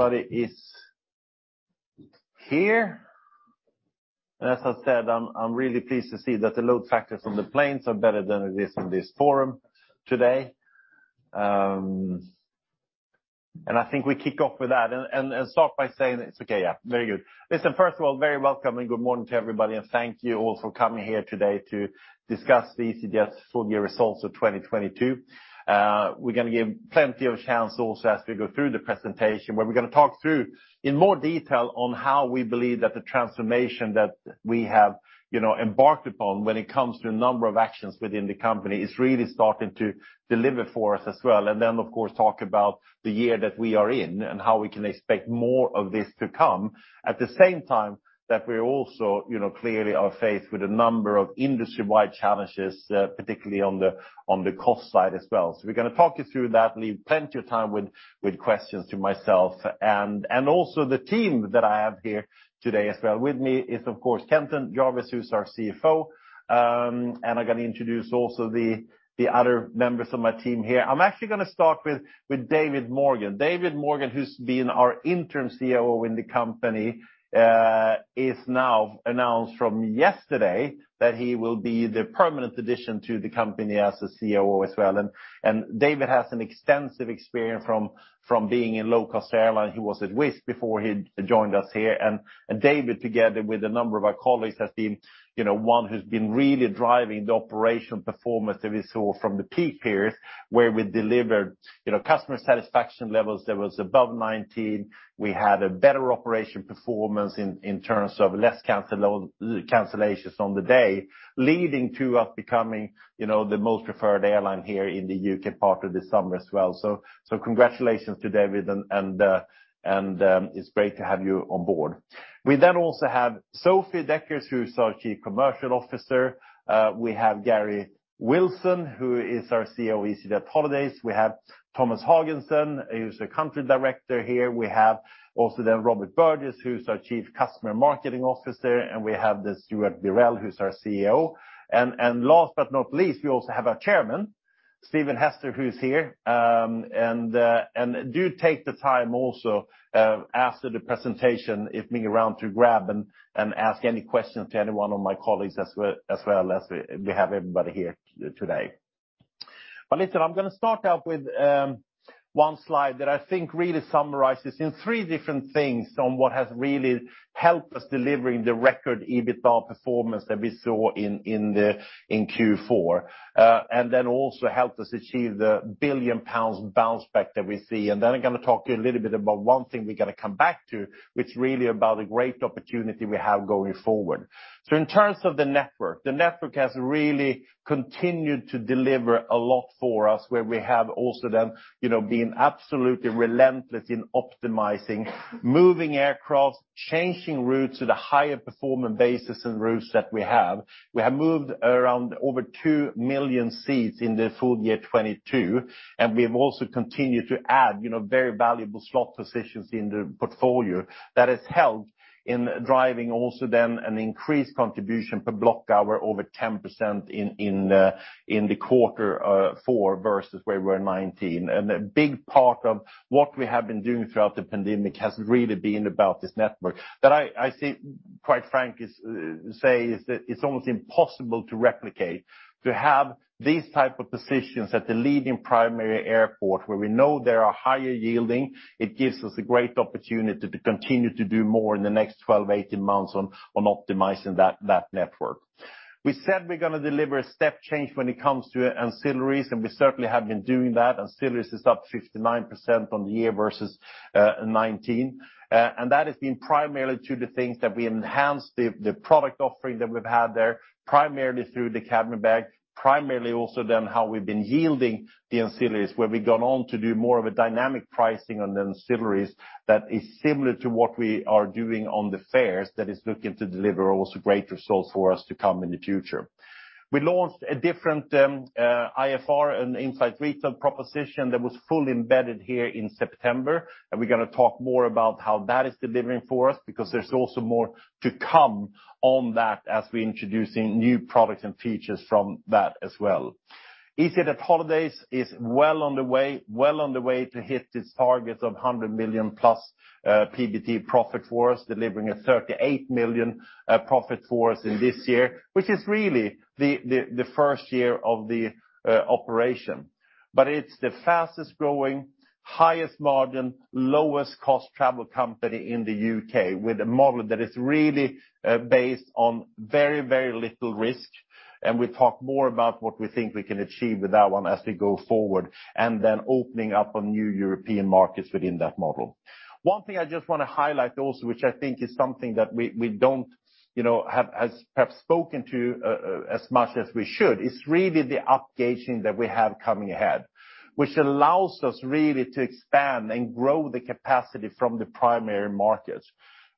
Everybody is here. As I said, I'm really pleased to see that the load factors on the planes are better than it is in this forum today. I think we kick off with that and start by saying it's okay. Yeah, very good. Listen, first of all, very welcome and good morning to everybody, and thank you all for coming here today to discuss the easyJet full year results of 2022. We're gonna give plenty of chance also as we go through the presentation, where we're gonna talk through in more detail on how we believe that the transformation that we have, you know, embarked upon when it comes to a number of actions within the company is really starting to deliver for us as well. Of course, talk about the year that we are in and how we can expect more of this to come. At the same time that we also, you know, clearly are faced with a number of industry-wide challenges, particularly on the, on the cost side as well. We're gonna talk you through that, leave plenty of time with questions to myself and also the team that I have here today as well. With me is of course, Kenton Jarvis, who's our CFO. I'm gonna introduce also the other members of my team here. I'm actually gonna start with David Morgan. David Morgan, who's been our interim COO in the company, is now announced from yesterday that he will be the permanent addition to the company as a COO as well. David has an extensive experience from being in low-cost airline. He was at Wizz before he joined us here. David, together with a number of our colleagues, has been, you know, one who's been really driving the operation performance that we saw from the peak period, where we delivered, you know, customer satisfaction levels that was above 19. We had a better operation performance in terms of less cancellations on the day, leading to us becoming, you know, the most preferred airline here in the U.K. part of the summer as well. Congratulations to David and it's great to have you on board. We also have Sophie Dekkers, who's our Chief Commercial Officer. We have Garry Wilson, who is our CEO easyJet Holidays. We have Thomas Haagensen, who's the Country Director here. We have also then Robert Birge, who's our Chief Customer and Marketing Officer, and we have Stuart Birrell, who's our CDIO. Last but not least, we also have our Chairman, Stephen Hester, who's here. Do take the time also after the presentation, if he's around to grab and ask any questions to any one of my colleagues as well as we have everybody here today. Listen, I'm gonna start out with 1 slide that I think really summarizes in 3 different things on what has really helped us delivering the record EBITDA performance that we saw in Q4. Also helped us achieve the 1 billion pounds bounce back that we see. Then I am going to talk a little bit about one thing we are going to come back to, which is really about the great opportunity we have going forward. In terms of the network, the network has really continued to deliver a lot for us, where we have also then, you know, been absolutely relentless in optimizing, moving aircraft, changing routes to the higher performing bases and routes that we have. We have moved around over 2 million seats in the full year 2022. We have also continued to add, you know, very valuable slot positions in the portfolio that has helped in driving also then an increased contribution per block hour over 10% in the quarter 4 versus where we're in 2019. A big part of what we have been doing throughout the pandemic has really been about this network that I see quite frankly say is that it's almost impossible to replicate. To have these type of positions at the leading primary airport where we know they are higher yielding, it gives us a great opportunity to continue to do more in the next 12 to 18 months on optimizing that network. We said we're gonna deliver a step change when it comes to ancillaries, and we certainly have been doing that. Ancillaries is up 59% on the year versus 2019. That has been primarily through the things that we enhanced the product offering that we've had there, primarily through the cabin bag, primarily also then how we've been yielding the ancillaries, where we've gone on to do more of a dynamic pricing on the ancillaries that is similar to what we are doing on the fares that is looking to deliver also great results for us to come in the future. We launched a different IFR, an Insight Retail proposition that was fully embedded here in September. We're gonna talk more about how that is delivering for us because there's also more to come on that as we're introducing new products and features from that as well. easyJet Holidays is well on the way to hit its targets of 100 million-plus PBT profit for us, delivering a 38 million profit for us in this year, which is really the first year of the operation. It's the fastest-growing, highest margin, lowest cost travel company in the U.K. with a model that is really based on very, very little risk. We talk more about what we think we can achieve with that one as we go forward, opening up on new European markets within that model. One thing I just want to highlight also, which I think is something that we don't, you know, have spoken to as much as we should, is really the upgauging that we have coming ahead, which allows us really to expand and grow the capacity from the primary markets.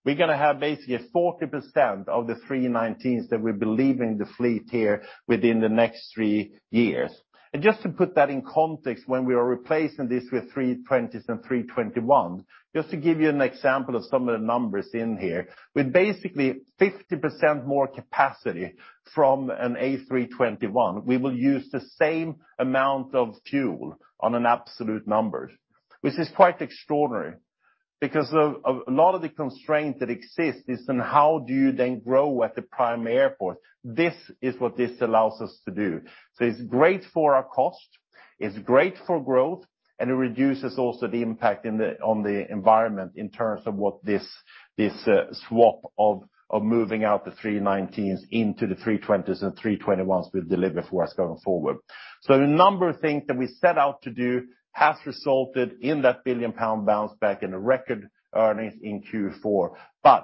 We're going to have basically a 40% of the A319s that we believe in the fleet here within the next 3 years. Just to put that in context, when we are replacing this with A320s and A321s, just to give you an example of some of the numbers in here, with basically 50% more capacity from an A321, we will use the same amount of fuel on an absolute numbers, which is quite extraordinary. Because of a lot of the constraints that exist is then how do you then grow at the prime airport? This is what this allows us to do. It's great for our cost, it's great for growth, and it reduces also the impact on the environment in terms of what this swap of moving out the A319s into the A320s and A321s we've delivered for us going forward. The number of things that we set out to do has resulted in that 1 billion pound bounce back and the record earnings in Q4.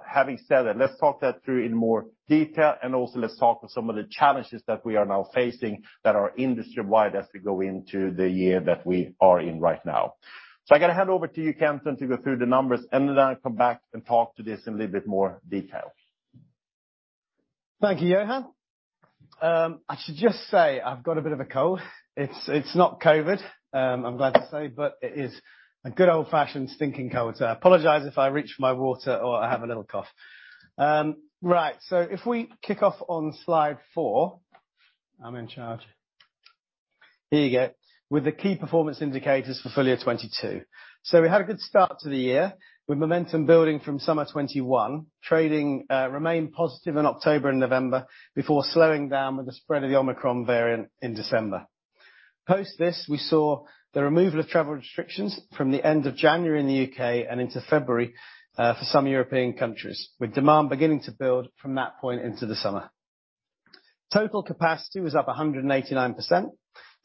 Having said that, let's talk that through in more detail. Also let's talk of some of the challenges that we are now facing that are industry-wide as we go into the year that we are in right now. I'm gonna hand over to you, Kenton, to go through the numbers, and then I'll come back and talk to this in a little bit more detail. Thank you, Johan. I should just say, I've got a bit of a cold. It's not COVID, I'm glad to say, but it is a good old-fashioned stinking cold, so I apologize if I reach for my water or I have a little cough. Right. If we kick off on slide 4. I'm in charge. Here you go. With the key performance indicators for full year 2022. We had a good start to the year, with momentum building from summer 2021. Trading remained positive in October and November before slowing down with the spread of the Omicron variant in December. Post this, we saw the removal of travel restrictions from the end of January in the U.K. and into February, for some European countries, with demand beginning to build from that point into the summer. Total capacity was up 189%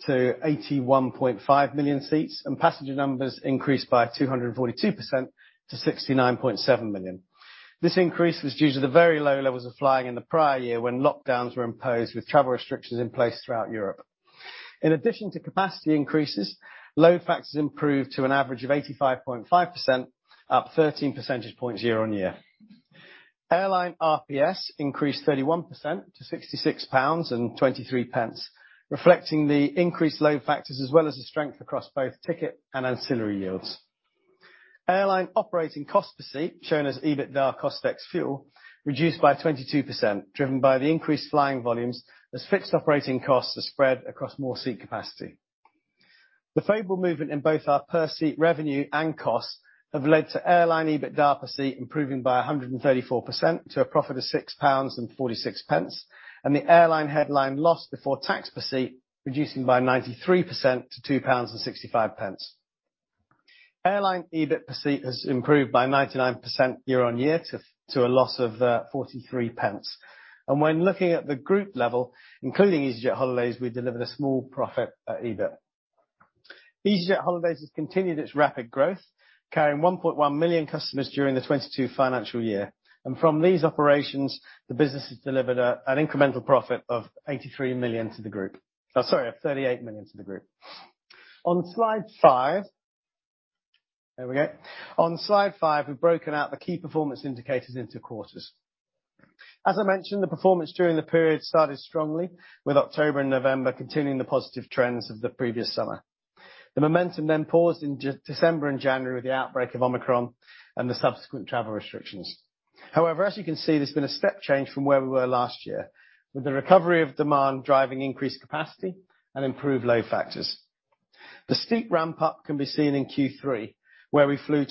to 81.5 million seats, and passenger numbers increased by 242% to 69.7 million. This increase was due to the very low levels of flying in the prior year, when lockdowns were imposed, with travel restrictions in place throughout Europe. In addition to capacity increases, load factors improved to an average of 85.5%, up 13 percentage points year on year. Airline RPS increased 31% to 66.23 pounds, reflecting the increased load factors as well as the strength across both ticket and ancillary yields. Airline operating cost per seat, shown as EBITDA cost ex fuel, reduced by 22%, driven by the increased flying volumes as fixed operating costs are spread across more seat capacity. The favorable movement in both our per seat revenue and costs have led to airline EBITDA per seat improving by 134% to a profit of 6.46 pounds, and the airline headline loss before tax per seat reducing by 93% to 2.65 pounds. Airline EBIT per seat has improved by 99% year-on-year to a loss of 0.43. When looking at the group level, including easyJet Holidays, we delivered a small profit at EBIT. easyJet Holidays has continued its rapid growth, carrying 1.1 million customers during the 2022 financial year. From these operations, the business has delivered an incremental profit of 83 million to the group. Sorry, 38 million to the group. On slide 5. There we go. On slide 5, we've broken out the key performance indicators into quarters. As I mentioned, the performance during the period started strongly with October and November continuing the positive trends of the previous summer. The momentum then paused in December and January with the outbreak of Omicron and the subsequent travel restrictions. However, as you can see, there's been a step change from where we were last year, with the recovery of demand driving increased capacity and improved load factors. The steep ramp up can be seen in Q3, where we flew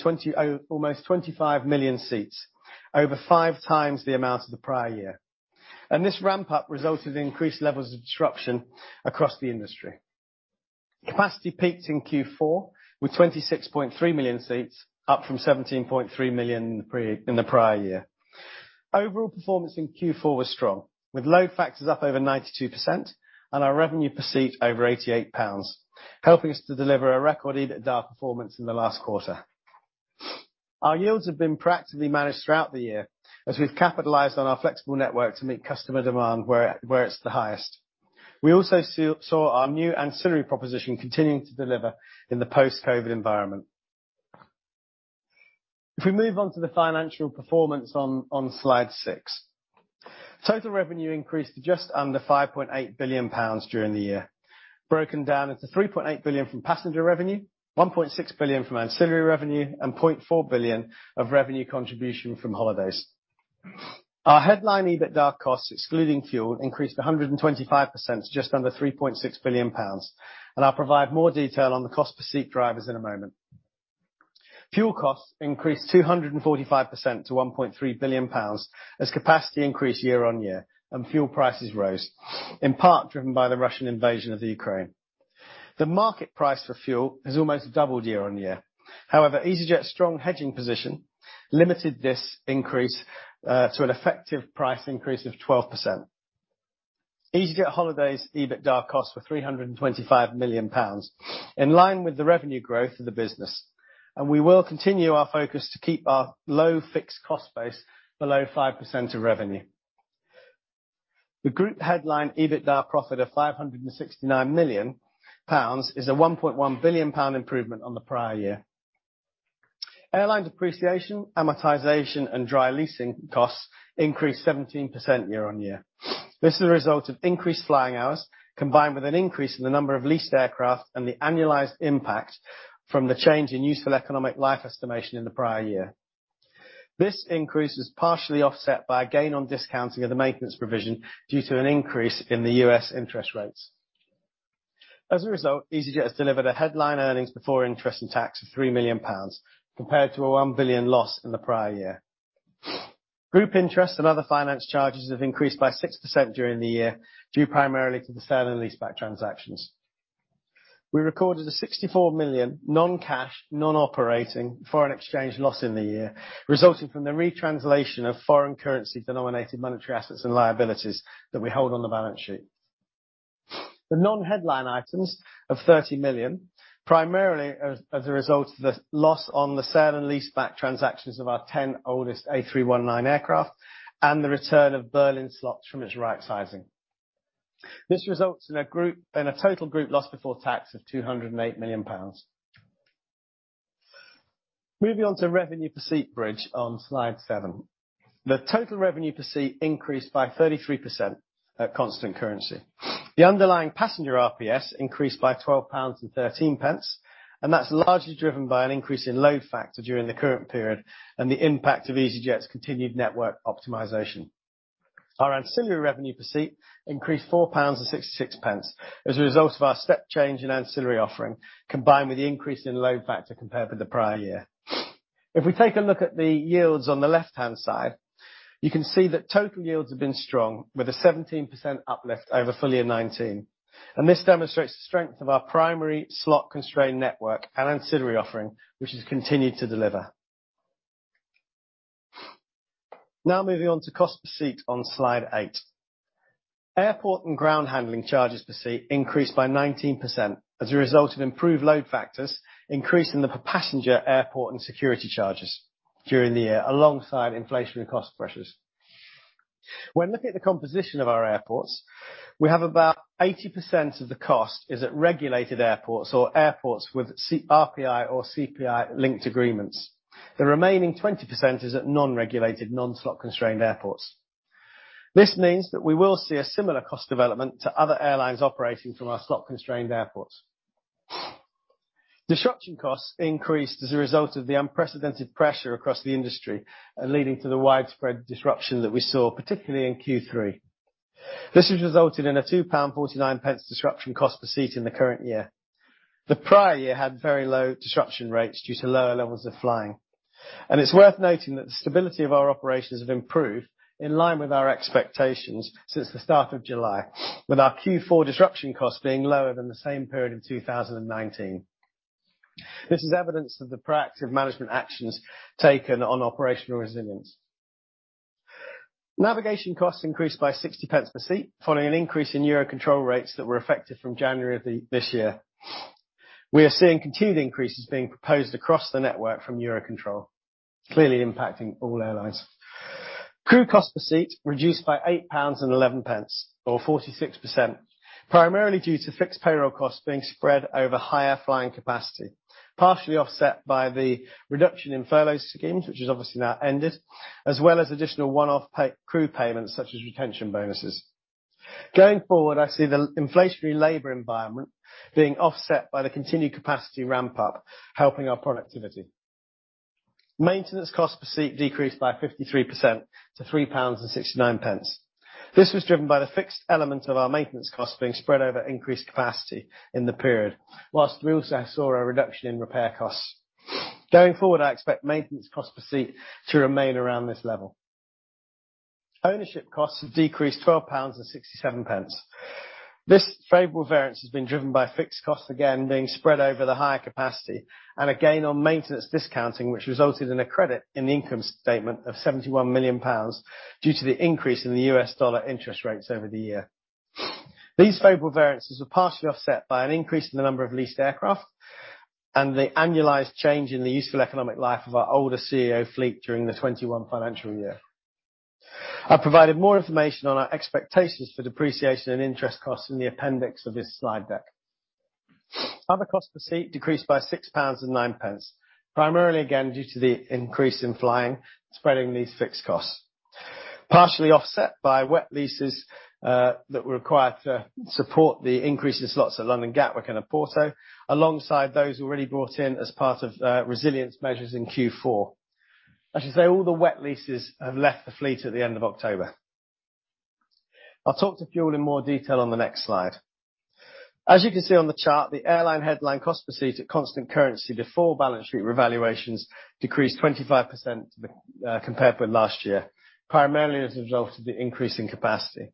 almost 25 million seats, over 5 times the amount of the prior year. This ramp up resulted in increased levels of disruption across the industry. Capacity peaked in Q4 with 26.3 million seats, up from 17.3 million in the prior year. Overall performance in Q4 was strong, with load factors up over 92% and our revenue per seat over 88 pounds, helping us to deliver a record EBITDA performance in the last quarter. Our yields have been proactively managed throughout the year as we've capitalized on our flexible network to meet customer demand where it's the highest. We also saw our new ancillary proposition continuing to deliver in the post-COVID environment. If we move on to the financial performance on slide 6. Total revenue increased to just under 5.8 billion pounds during the year, broken down into 3.8 billion from passenger revenue, 1.6 billion from ancillary revenue, and 0.4 billion of revenue contribution from holidays. Our headline EBITDA costs, excluding fuel, increased 125% to just under 3.6 billion pounds. I'll provide more detail on the cost per seat drivers in a moment. Fuel costs increased 245% to 1.3 billion pounds as capacity increased year-over-year and fuel prices rose, in part driven by the Russian invasion of Ukraine. The market price for fuel has almost doubled year-over-year. However, easyJet's strong hedging position limited this increase to an effective price increase of 12%. easyJet Holidays' EBITDA costs were 325 million pounds, in line with the revenue growth of the business. We will continue our focus to keep our low fixed cost base below 5% of revenue. The group headline EBITDA profit of 569 million pounds is a 1.1 billion pound improvement on the prior year. Airline depreciation, amortization, and dry leasing costs increased 17% year-over-year. This is a result of increased flying hours, combined with an increase in the number of leased aircraft and the annualized impact from the change in useful economic life estimation in the prior year. This increase is partially offset by a gain on discounting of the maintenance provision due to an increase in the U.S. interest rates. easyJet has delivered a headline EBIT of 3 million pounds compared to a 1 billion loss in the prior year. Group interest and other finance charges have increased by 6% during the year, due primarily to the sale and leaseback transactions. We recorded a 64 million non-cash, non-operating foreign exchange loss in the year resulting from the re-translation of foreign currency denominated monetary assets and liabilities that we hold on the balance sheet. The non-headline items of 30 million, primarily as a result of the loss on the sale and leaseback transactions of our 10 oldest A319 aircraft and the return of Berlin slots from its rightsizing. This results in a total group loss before tax of 208 million pounds. Moving on to revenue per seat bridge on slide 7. The total revenue per seat increased by 33% at constant currency. The underlying passenger RPS increased by 12.13 pounds. That's largely driven by an increase in load factor during the current period and the impact of easyJet's continued network optimization. Our ancillary revenue per seat increased 4.66 pounds as a result of our step change in ancillary offering, combined with the increase in load factor compared with the prior year. If we take a look at the yields on the left-hand side, you can see that total yields have been strong with a 17% uplift over full year 19. This demonstrates the strength of our primary slot constrained network and ancillary offering, which has continued to deliver. Moving on to cost per seat on slide 8. Airport and ground handling charges per seat increased by 19% as a result of improved load factors, increasing the passenger airport and security charges during the year, alongside inflationary cost pressures. When looking at the composition of our airports, we have about 80% of the cost is at regulated airports or airports with RPI or CPI-linked agreements. The remaining 20% is at non-regulated, non-slot constrained airports. This means that we will see a similar cost development to other airlines operating from our slot constrained airports. Disruption costs increased as a result of the unprecedented pressure across the industry, leading to the widespread disruption that we saw, particularly in Q3. This has resulted in a 2.49 pound disruption cost per seat in the current year. The prior year had very low disruption rates due to lower levels of flying. It's worth noting that the stability of our operations have improved in line with our expectations since the start of July, with our Q4 disruption costs being lower than the same period in 2019. This is evidence of the proactive management actions taken on operational resilience. Navigation costs increased by 60 pence per seat, following an increase in EUROCONTROL rates that were effective from January this year. We are seeing continued increases being proposed across the network from EUROCONTROL, clearly impacting all airlines. Crew cost per seat reduced by 8.11 pounds or 46%, primarily due to fixed payroll costs being spread over higher flying capacity, partially offset by the reduction in furlough schemes, which has obviously now ended, as well as additional one-off crew payments such as retention bonuses. Going forward, I see the inflationary labor environment being offset by the continued capacity ramp up, helping our productivity. Maintenance cost per seat decreased by 53% to 3.69 pounds. This was driven by the fixed element of our maintenance costs being spread over increased capacity in the period, while we also saw a reduction in repair costs. Going forward, I expect maintenance cost per seat to remain around this level. Ownership costs decreased 12.67 pounds. This favorable variance has been driven by fixed costs, again, being spread over the higher capacity and a gain on maintenance discounting, which resulted in a credit in the income statement of 71 million pounds due to the increase in the US dollar interest rates over the year. These favorable variances are partially offset by an increase in the number of leased aircraft and the annualized change in the useful economic life of our older CEO fleet during the 2021 financial year. I provided more information on our expectations for depreciation and interest costs in the appendix of this slide deck. Other costs per seat decreased by 6.09 pounds, primarily again due to the increase in flying, spreading these fixed costs. Partially offset by wet leases that were required to support the increase in slots at London GatwiDDDck and Oporto, alongside those already brought in as part of resilience measures in Q4. I should say all the wet leases have left the fleet at the end of October. I'll talk to fuel in more detail on the next slide. As you can see on the chart, the airline headline cost per seat at constant currency before balance sheet revaluations decreased 25% compared with last year, primarily as a result of the increase in capacity.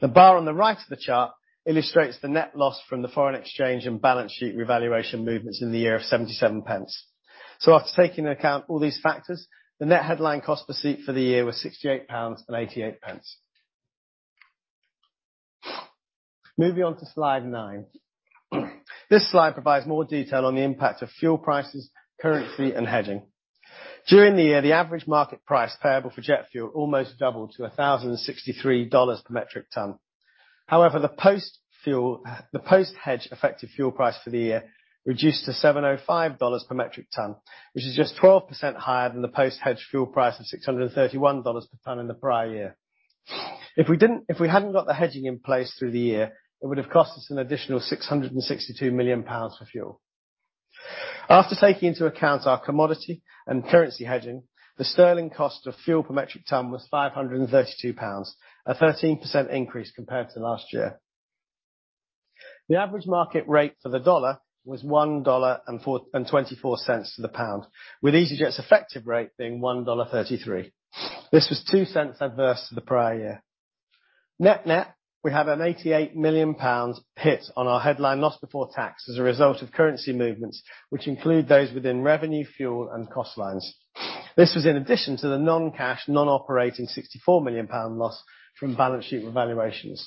The bar on the right of the chart illustrates the net loss from the foreign exchange and balance sheet revaluation movements in the year of 0.77. After taking into account all these factors, the net headline cost per seat for the year was 68.88 pounds. Moving on to slide 9. This slide provides more detail on the impact of fuel prices, currency, and hedging. During the year, the average market price payable for jet fuel almost doubled to $1,063 per metric ton. However, the post-hedge effective fuel price for the year reduced to $705 per metric ton, which is just 12% higher than the post-hedge fuel price of $631 per ton in the prior year. If we hadn't got the hedging in place through the year, it would have cost us an additional 662 million pounds for fuel. After taking into account our commodity and currency hedging, the sterling cost of fuel per metric ton w 532 pounds, a 13% increase compared to last year. The average market rate for the dollar was $1.24 to the pound, with easyJet's effective rate being $1.33. This was $0.02 adverse to the prior year. Net net, we have an 88 million pounds hit on our headline loss before tax as a result of currency movements, which include those within revenue, fuel, and cost lines. This was in addition to the non-cash, non-operating 64 million pound loss from balance sheet evaluations.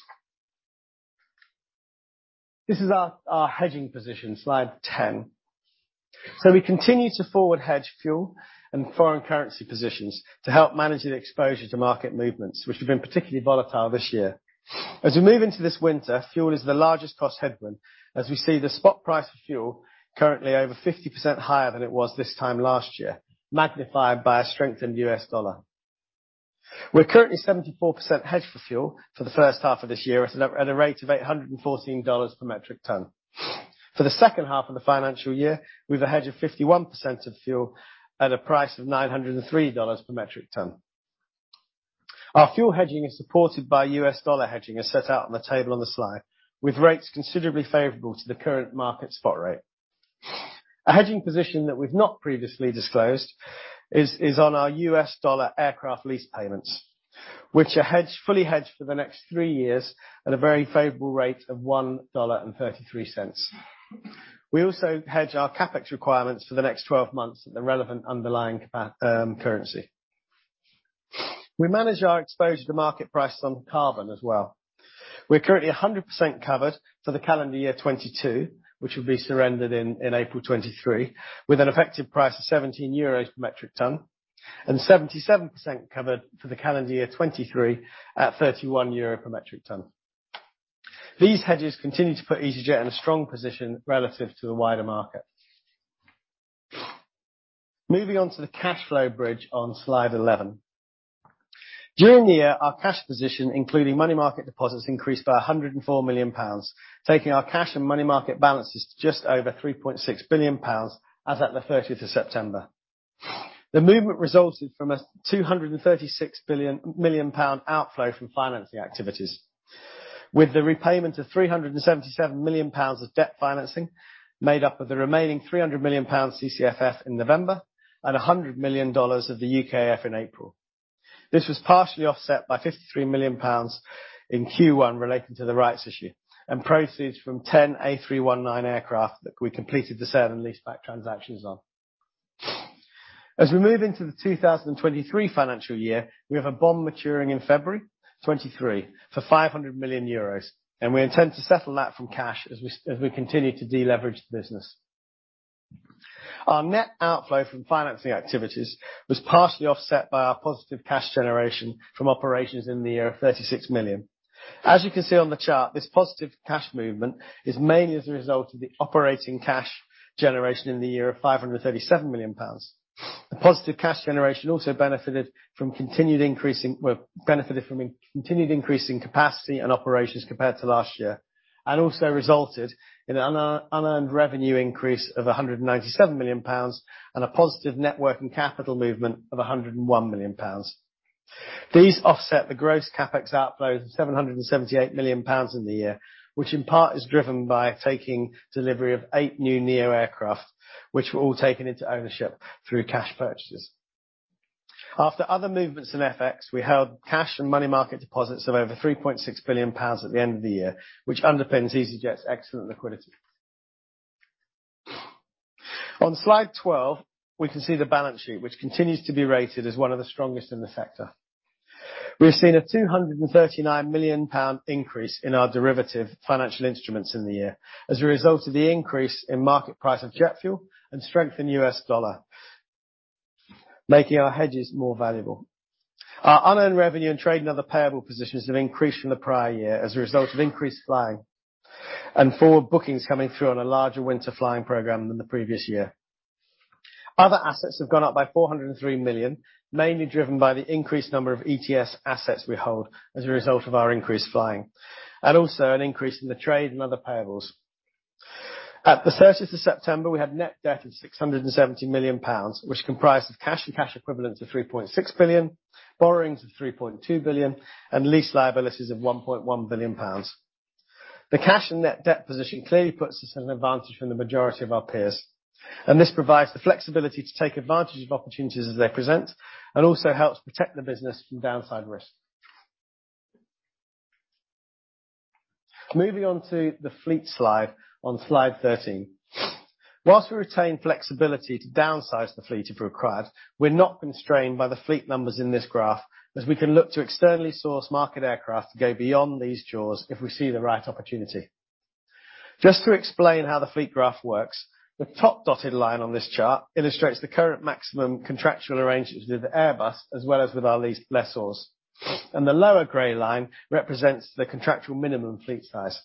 This is our hedging position, slide 10. We continue to forward hedge fuel and foreign currency positions to help manage the exposure to market movements, which have been particularly volatile this year. As we move into this winter, fuel is the largest cost headwind as we see the spot price of fuel currently over 50% higher than it was this time last year, magnified by a strengthened US dollar. We're currently 74% hedged for fuel for the first half of this year at a rate of $814 per metric ton. For the second half of the financial year, we've a hedge of 51% of fuel at a price of $903 per metric ton. Our fuel hedging is supported by US dollar hedging, as set out on the table on the slide, with rates considerably favorable to the current market spot rate. A hedging position that we've not previously disclosed is on our US dollar aircraft lease payments, which are hedged, fully hedged for the next 3 years at a very favorable rate of $1.33. We also hedge our CapEx requirements for the next 12 months at the relevant underlying currency. We manage our exposure to market prices on carbon as well. We're currently 100% covered for the calendar year 2022, which will be surrendered in April 2023, with an effective price of 17 euros per metric ton, and 77% covered for the calendar year 2023 at 31 euro per metric ton. These hedges continue to put easyJet in a strong position relative to the wider market. Moving on to the cash flow bridge on slide 11. During the year, our cash position, including money market deposits, increased by 104 million pounds, taking our cash and money market balances to just over 3.6 billion pounds as at the 30th of September. The movement resulted from a 236 billion, million outflow from financing activities, with the repayment of 377 million pounds of debt financing made up of the remaining 300 million pounds CCFF in November and $100 million of the UKEF in April. This was partially offset by 53 million pounds in Q1 relating to the rights issue and proceeds from 10 A319 aircraft that we completed the sale and leaseback transactions on. As we move into the 2023 financial year, we have a bond maturing in February 2023 for 500 million euros, and we intend to settle that from cash as we continue to deleverage the business. Our net outflow from financing activities was partially offset by our positive cash generation from operations in the year of 36 million. As you can see on the chart, this positive cash movement is mainly as a result of the operating cash generation in the year of 537 million pounds. The positive cash generation also benefited from continued increasing capacity and operations compared to last year, and also resulted in an unearned revenue increase of 197 million pounds and a positive net working capital movement of 101 million pounds. These offset the gross CapEx outflows of 778 million pounds in the year, which in part is driven by taking delivery of eight new NEO aircraft, which were all taken into ownership through cash purchases. After other movements in FX, we held cash and money market deposits of over 3.6 billion pounds at the end of the year, which underpins easyJet's excellent liquidity. On slide 12, we can see the balance sheet, which continues to be rated as one of the strongest in the sector. We've seen a 239 million pound increase in our derivative financial instruments in the year as a result of the increase in market price of jet fuel and strength in U.S. dollar, making our hedges more valuable. Our unearned revenue and trade and other payable positions have increased from the prior year as a result of increased flying and forward bookings coming through on a larger winter flying program than the previous year. Other assets have gone up by 403 million, mainly driven by the increased number of ETS assets we hold as a result of our increased flying, and also an increase in the trade and other payables. At the 30th of September, we had net debt of 670 million pounds, which comprised of cash and cash equivalents of 3.6 billion, borrowings of 3.2 billion, and lease liabilities of 1.1 billion pounds. The cash and net debt position clearly puts us at an advantage from the majority of our peers, and this provides the flexibility to take advantage of opportunities as they present, and also helps protect the business from downside risk. Moving on to the fleet slide on slide 13. Whilst we retain flexibility to downsize the fleet if required, we're not constrained by the fleet numbers in this graph, as we can look to externally source market aircraft to go beyond these jaws if we see the right opportunity. Just to explain how the fleet graph works, the top dotted line on this chart illustrates the current maximum contractual arrangements with Airbus as well as with our lease lessors. The lower gray line represents the contractual minimum fleet size.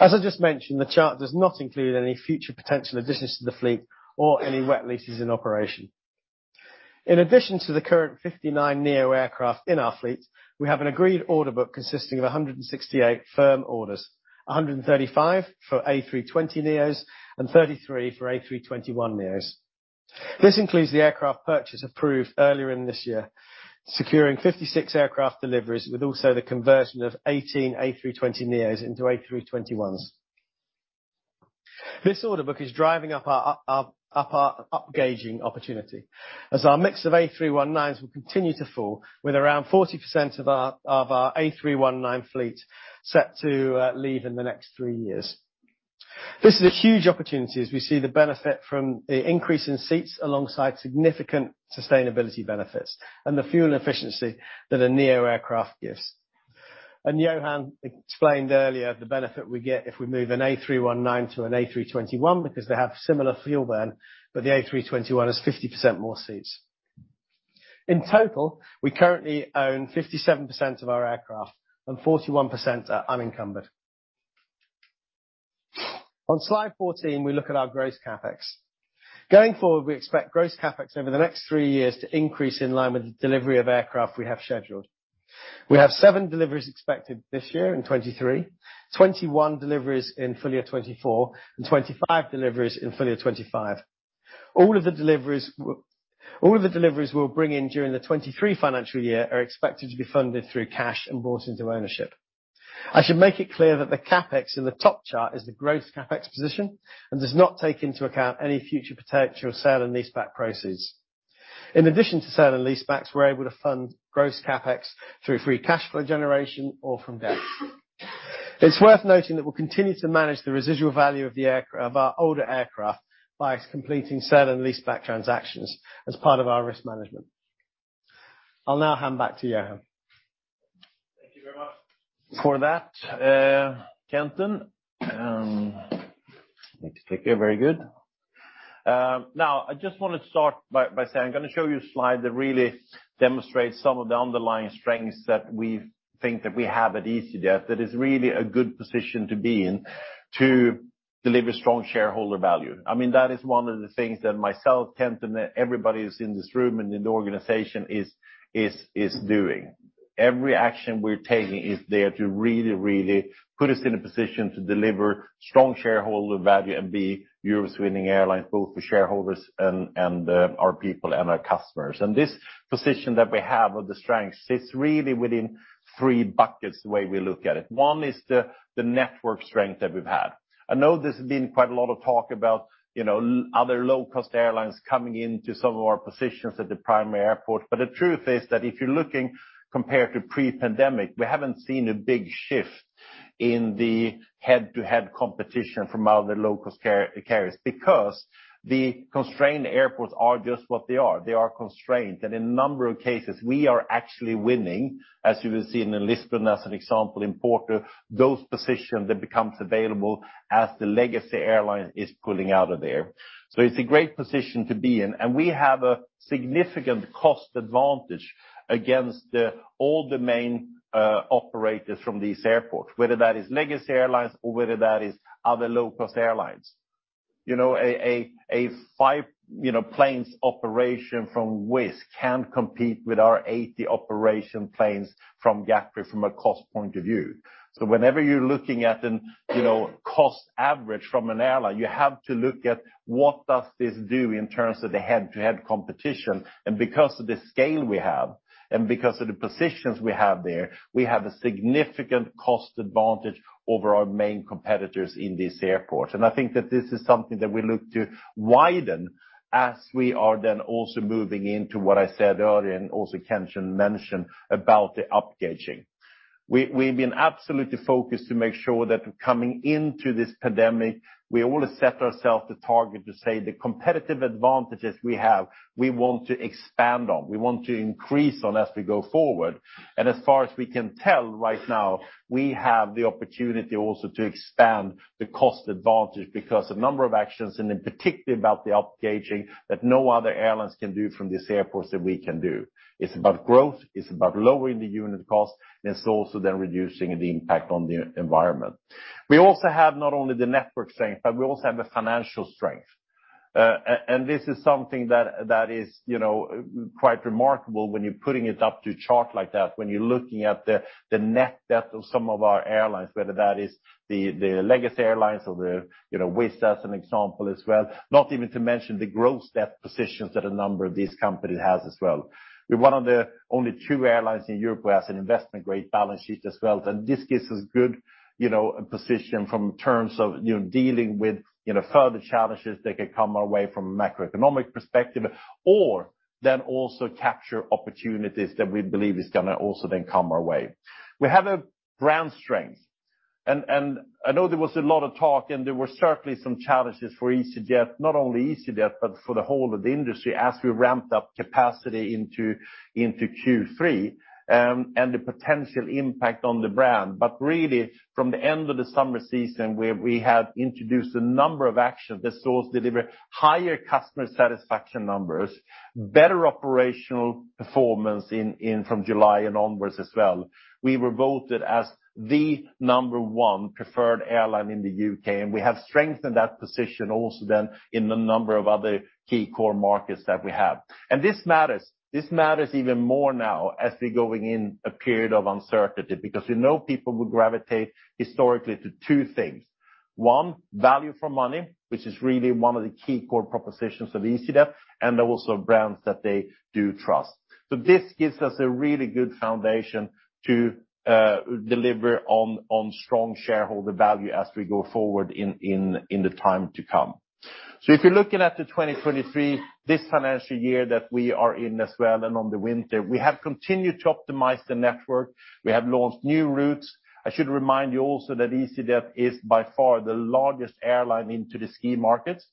As I just mentioned, the chart does not include any future potential additions to the fleet or any wet leases in operation. In addition to the current 59 NEO aircraft in our fleet, we have an agreed order book consisting of 168 firm orders, 135 for A320NEOs and 33 for A321NEOs. This includes the aircraft purchase approved earlier in this year, securing 56 aircraft deliveries, with also the conversion of 18 A320NEOs into A321s. This order book is driving up our up-gauging opportunity as our mix of A319s will continue to fall with around 40% of our A319 fleet set to leave in the next three years. This is a huge opportunity as we see the benefit from the increase in seats alongside significant sustainability benefits and the fuel efficiency that a NEO aircraft gives. Johan explained earlier the benefit we get if we move an A319 to an A321 because they have similar fuel burn, but the A321 has 50% more seats. In total, we currently own 57% of our aircraft and 41% are unencumbered. On slide 14, we look at our gross CapEx. Going forward, we expect gross CapEx over the next three years to increase in line with the delivery of aircraft we have scheduled. We have seven deliveries expected this year in 2023, 21 deliveries in full year 2024, and 25 deliveries in full year 2025. All of the deliveries we'll bring in during the 2023 financial year are expected to be funded through cash and brought into ownership. I should make it clear that the CapEx in the top chart is the growth CapEx position and does not take into account any future potential sale and leaseback proceeds. In addition to sale and leasebacks, we're able to fund gross CapEx through free cash flow generation or from debt. It's worth noting that we'll continue to manage the residual value of our older aircraft by completing sale and leaseback transactions as part of our risk management. I'll now hand back to Johan. Thank you very much for that, Kenton. Let me click here. Very good. Now I just wanna start by saying, I'm gonna show you a slide that really demonstrates some of the underlying strengths that we think that we have at easyJet. That is really a good position to be in to deliver strong shareholder value. I mean, that is one of the things that myself, Kenton, everybody who's in this room and in the organization is doing. Every action we're taking is there to really put us in a position to deliver strong shareholder value and be Europe's winning airline, both for shareholders and our people and our customers. This position that we have of the strength sits really within three buckets, the way we look at it. One is the network strength that we've had. I know there's been quite a lot of talk about, you know, other low-cost airlines coming into some of our positions at the primary airport. The truth is that if you're looking compared to pre-pandemic, we haven't seen a big shift in the head-to-head competition from other low-cost carriers because the constrained airports are just what they are. They are constrained. In a number of cases, we are actually winning, as you will see in Lisbon as an example, in Porto, those positions that becomes available as the legacy airline is pulling out of there. It's a great position to be in, and we have a significant cost advantage against the, all the main operators from these airports, whether that is legacy airlines or whether that is other low-cost airlines. You know, a 5, you know, planes operation from Wizz can't compete with our 80 operation planes from Gatwick from a cost point of view. Whenever you're looking at a, you know, cost average from an airline, you have to look at what does this do in terms of the head-to-head competition. Because of the scale we have and because of the positions we have there, we have a significant cost advantage over our main competitors in this airport. I think that this is something that we look to widen as we are then also moving into what I said earlier and also Kenton mentioned about the upgauging. We've been absolutely focused to make sure that coming into this pandemic, we ought to set ourselves the target to say the competitive advantages we have, we want to expand on, we want to increase on as we go forward. As far as we can tell right now, we have the opportunity also to expand the cost advantage because a number of actions, and in particular about the upgauging, that no other airlines can do from these airports that we can do. It's about growth, it's about lowering the unit cost, and it's also then reducing the impact on the environment. We also have not only the network strength, but we also have the financial strength. And this is something that is, you know, quite remarkable when you're putting it up to chart like that, when you're looking at the net debt of some of our airlines, whether that is the legacy airlines or the, you know, Wizz as an example as well. Not even to mention the gross debt positions that a number of these companies has as well. We're one of the only two airlines in Europe who has an investment-grade balance sheet as well. This gives us good, you know, position from terms of, you know, dealing with, you know, further challenges that could come our way from a macroeconomic perspective, or then also capture opportunities that we believe is gonna also then come our way. We have a brand strength. I know there was a lot of talk, there were certainly some challenges for easyJet, not only easyJet, but for the whole of the industry as we ramped up capacity into Q3, and the potential impact on the brand. Really from the end of the summer season, where we had introduced a number of actions, the stores deliver higher customer satisfaction numbers, better operational performance from July and onwards as well. We were voted as the number 1 preferred airline in the UK, and we have strengthened that position also then in the number of other key core markets that we have. This matters. This matters even more now as we're going in a period of uncertainty, because we know people will gravitate historically to 2 things. Value for money, which is really one of the key core propositions of easyJet, and also brands that they do trust. This gives us a really good foundation to deliver on strong shareholder value as we go forward in the time to come. If you're looking at the 2023, this financial year that we are in as well, and on the winter, we have continued to optimize the network. We have launched new routes. I should remind you also that easyJet is by far the largest airline into the ski markets.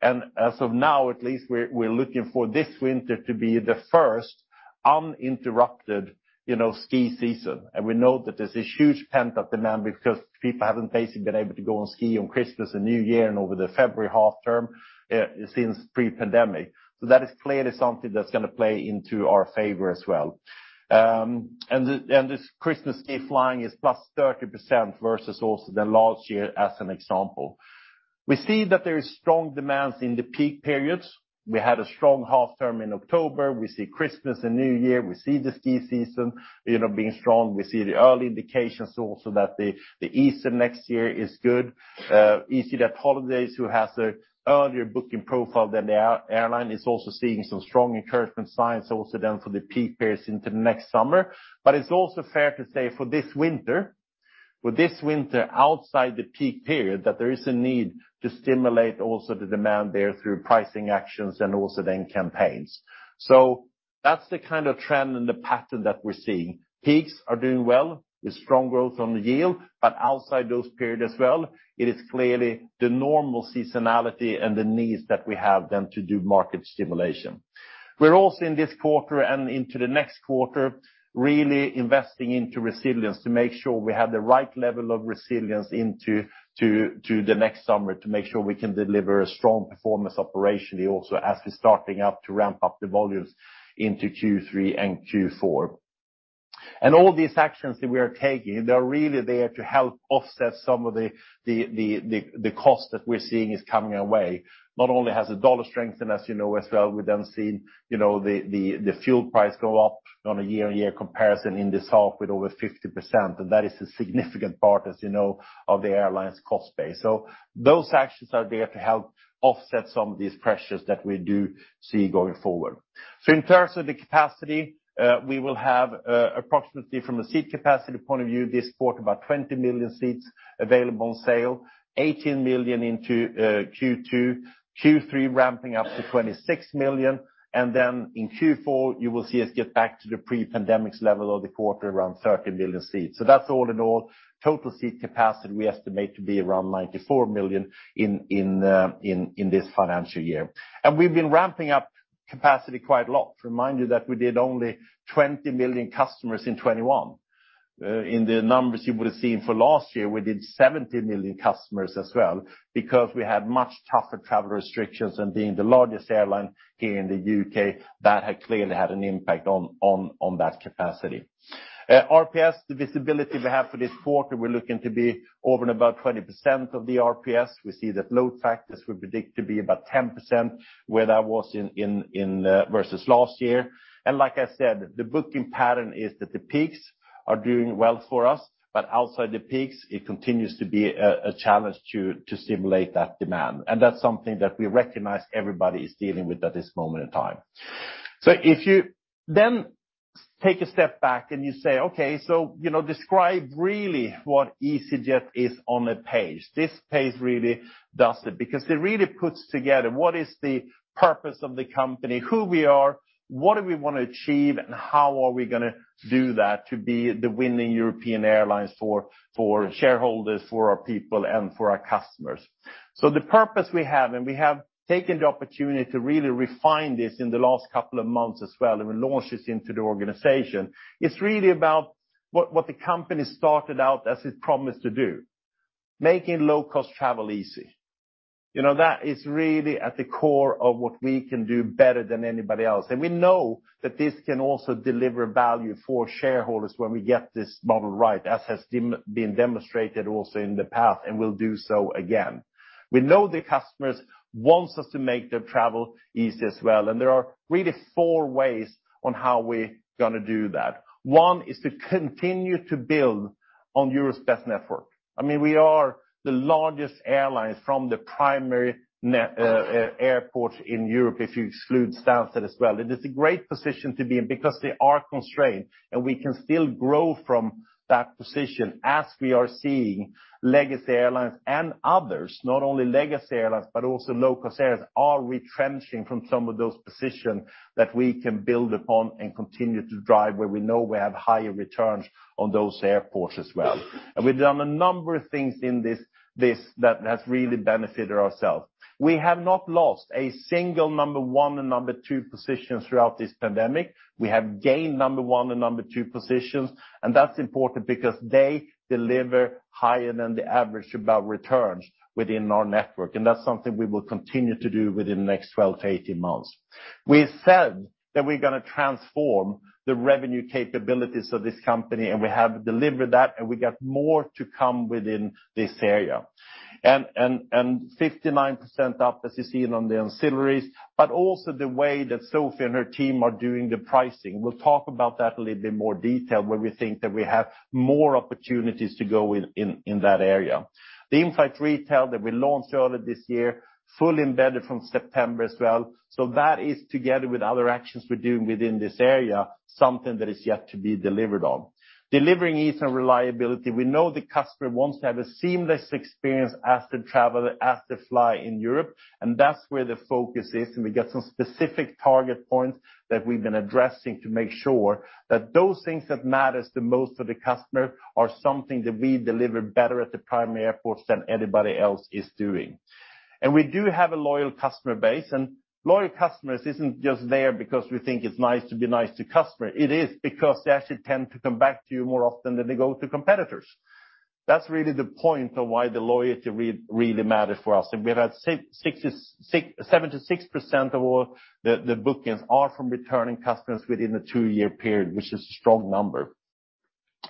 As of now, at least we're looking for this winter to be the first uninterrupted, you know, ski season. We know that there's a huge pent-up demand because people haven't basically been able to go on ski on Christmas and New Year and over the February half term since pre-pandemic. That is clearly something that's gonna play into our favor as well. This Christmas day flying is +30% versus also the last year as an example. We see that there is strong demands in the peak periods. We had a strong half term in October. We see Christmas and New Year. We see the ski season, you know, being strong. We see the early indications also that the Easter next year is good. easyJet Holidays, who has a earlier booking profile than the airline, is also seeing some strong encouragement signs also then for the peak periods into next summer. It's also fair to say for this winter, for this winter outside the peak period, that there is a need to stimulate also the demand there through pricing actions and also then campaigns. That's the kind of trend and the pattern that we're seeing. Peaks are doing well with strong growth on the yield, but outside those periods as well, it is clearly the normal seasonality and the needs that we have then to do market stimulation. We're also in this quarter and into the next quarter, really investing into resilience to make sure we have the right level of resilience into the next summer to make sure we can deliver a strong performance operationally also as we're starting out to ramp up the volumes into Q3 and Q4. All these actions that we are taking, they are really there to help offset some of the cost that we're seeing is coming our way. Not only has the dollar strengthened, as you know as well, we see, you know, the fuel price go up on a year-on-year comparison in this half with over 50%. That is a significant part, as you know, of the airline's cost base. Those actions are there to help offset some of these pressures that we do see going forward. In terms of the capacity, we will have approximately from a seat capacity point of view this quarter, about 20 million seats available on sale, 18 million into Q2, Q3 ramping up to 26 million. Then in Q4, you will see us get back to the pre-pandemic level of the quarter, around 30 million seats. That's all in all, total seat capacity we estimate to be around 94 million in this financial year. We've been ramping up capacity quite a lot. Remind you that we did only 20 million customers in 2021. In the numbers you would've seen for last year, we did 70 million customers as well because we had much tougher travel restrictions and being the largest airline here in the UK, that had clearly had an impact on that capacity. RPS, the visibility we have for this quarter, we're looking to be over and about 20% of the RPS. We see that load factors we predict to be about 10% where that was versus last year. Like I said, the booking pattern is that the peaks are doing well for us, but outside the peaks it continues to be a challenge to stimulate that demand. That's something that we recognize everybody is dealing with at this moment in time. If you then take a step back and you say, okay, you know, describe really what easyJet is on a page. This page really does it because it really puts together what is the purpose of the company, who we are, what do we want to achieve, and how are we gonna do that to be the winning European airlines for shareholders, for our people, and for our customers. The purpose we have, and we have taken the opportunity to really refine this in the last couple of months as well, and we launch this into the organization, it's really about what the company started out as it promised to do, making low-cost travel easy. You know, that is really at the core of what we can do better than anybody else. We know that this can also deliver value for shareholders when we get this model right, as has been demonstrated also in the past and will do so again. We know the customers wants us to make their travel easy as well, and there are really four ways on how we're gonna do that. One is to continue to build on easyJet's network. I mean, we are the largest airlines from the primary net airport in Europe if you exclude Stansted as well. It is a great position to be in because they are constrained. We can still grow from that position as we are seeing legacy airlines and others, not only legacy airlines, but also local airlines are retrenching from some of those positions that we can build upon and continue to drive where we know we have higher returns on those airports as well. We've done a number of things in this that has really benefited ourselves. We have not lost a single number one and number two positions throughout this pandemic. We have gained number one and number two positions. That's important because they deliver higher than the average about returns within our network. That's something we will continue to do within the next 12 to 18 months. We said that we're gonna transform the revenue capabilities of this company. We have delivered that, and we got more to come within this area. 59% up, as you see on the ancillaries, but also the way that Sophie and her team are doing the pricing. We'll talk about that a little bit more detail where we think that we have more opportunities to go in that area. The In-flight Retail that we launched earlier this year, fully embedded from September as well. That is together with other actions we're doing within this area, something that is yet to be delivered on. Delivering ease and reliability. We know the customer wants to have a seamless experience as they travel, as they fly in Europe, and that's where the focus is. We get some specific target points that we've been addressing to make sure that those things that matters the most to the customer are something that we deliver better at the primary airports than anybody else is doing. We do have a loyal customer base. Loyal customers isn't just there because we think it's nice to be nice to customer. It is because they actually tend to come back to you more often than they go to competitors. That's really the point of why the loyalty really matters for us. We're at 76% of all the bookings are from returning customers within a two-year period, which is a strong number.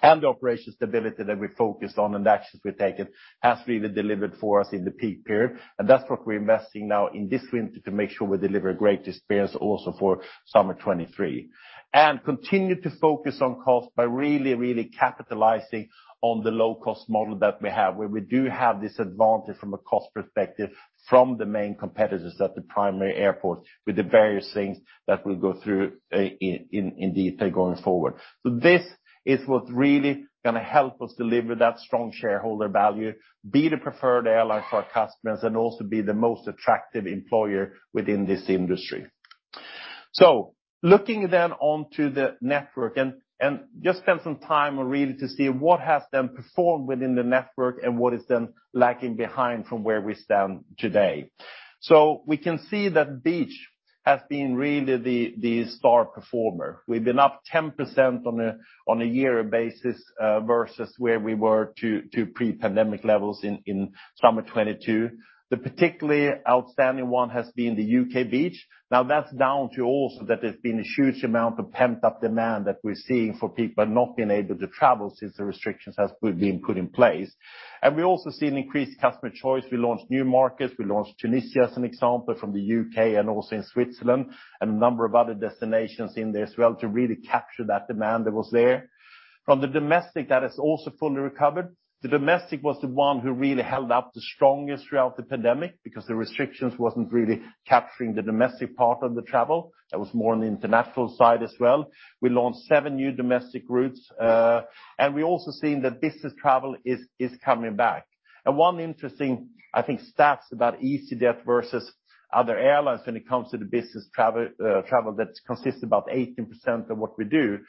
The operation stability that we focused on and the actions we've taken has really delivered for us in the peak period. That's what we're investing now in this winter to make sure we deliver a great experience also for summer 2023. Continue to focus on cost by really capitalizing on the low-cost model that we have, where we do have this advantage from a cost perspective from the main competitors at the primary airport with the various things that we'll go through in detail going forward. This is what's really gonna help us deliver that strong shareholder value, be the preferred airline for our customers, and also be the most attractive employer within this industry. Looking then onto the network and just spend some time really to see what has then performed within the network and what is then lagging behind from where we stand today. We can see that beach has been really the star performer. We've been up 10% on a, on a year basis, versus where we were to pre-pandemic levels in summer '22. The particularly outstanding one has been the UK beach. That's down to also that there's been a huge amount of pent-up demand that we're seeing for people not being able to travel since the restrictions has been put in place. We also see an increased customer choice. We launched new markets. We launched Tunisia as an example from the UK and also in Switzerland, and a number of other destinations in there as well to really capture that demand that was there. From the domestic, that has also fully recovered. The domestic was the one who really held up the strongest throughout the pandemic because the restrictions wasn't really capturing the domestic part of the travel. That was more on the international side as well. We launched 7 new domestic routes. We also seen that business travel is coming back. One interesting, I think, stats about easyJet versus other airlines when it comes to the business travel that consists about 18% of what we do,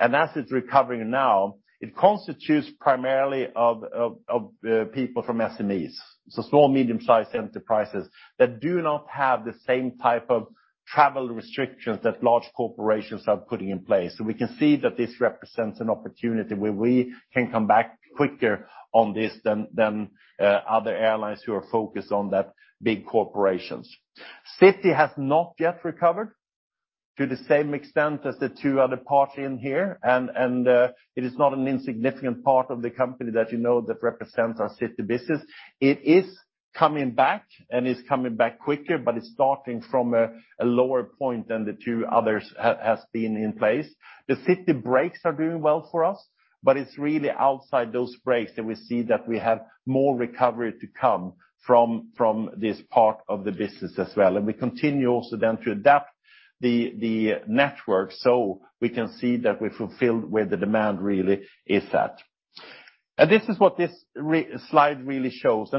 and as it's recovering now, it constitutes primarily of people from SMEs, so small, medium-sized enterprises that do not have the same type of travel restrictions that large corporations are putting in place. We can see that this represents an opportunity where we can come back quicker on this than other airlines who are focused on that big corporations. City has not yet recovered to the same extent as the 2 other parts in here. It is not an insignificant part of the company that you know that represents our city business. It is coming back, and it's coming back quicker, but it's starting from a lower point than the two others has been in place. The city breaks are doing well for us, but it's really outside those breaks that we see that we have more recovery to come from this part of the business as well. We continue also then to adapt the network, so we can see that we're fulfilled where the demand really is at. This is what this slide really shows.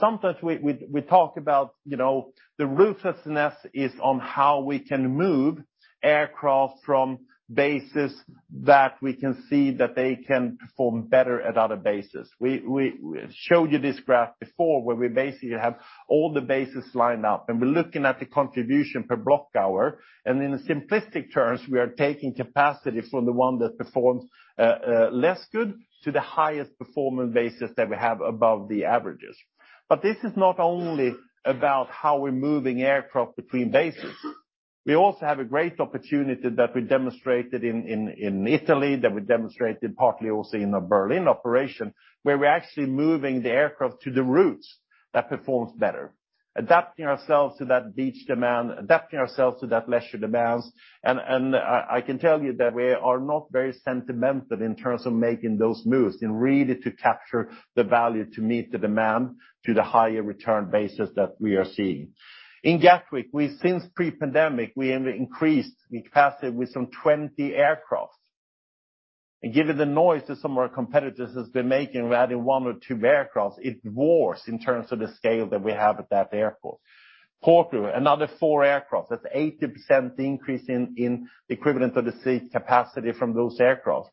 Sometimes we talk about, you know, the ruthlessness is on how we can move aircraft from bases that we can see that they can perform better at other bases. We showed you this graph before, where we basically have all the bases lined up, and we're looking at the contribution per block hour. In simplistic terms, we are taking capacity from the one that performs less good to the highest performing bases that we have above the averages. This is not only about how we're moving aircraft between bases. We also have a great opportunity that we demonstrated in Italy, that we demonstrated partly also in the Berlin operation, where we're actually moving the aircraft to the routes that performs better. Adapting ourselves to that beach demand, adapting ourselves to that leisure demands. I can tell you that we are not very sentimental in terms of making those moves and really to capture the value to meet the demand to the higher return basis that we are seeing. In Gatwick, we've since pre-pandemic, we increased the capacity with some 20 aircraft. Given the noise that some of our competitors has been making, adding 1 or 2 aircraft, it dwarfs in terms of the scale that we have at that airport. Porto, another 4 aircraft. That's 80% increase in equivalent of the seat capacity from those aircraft.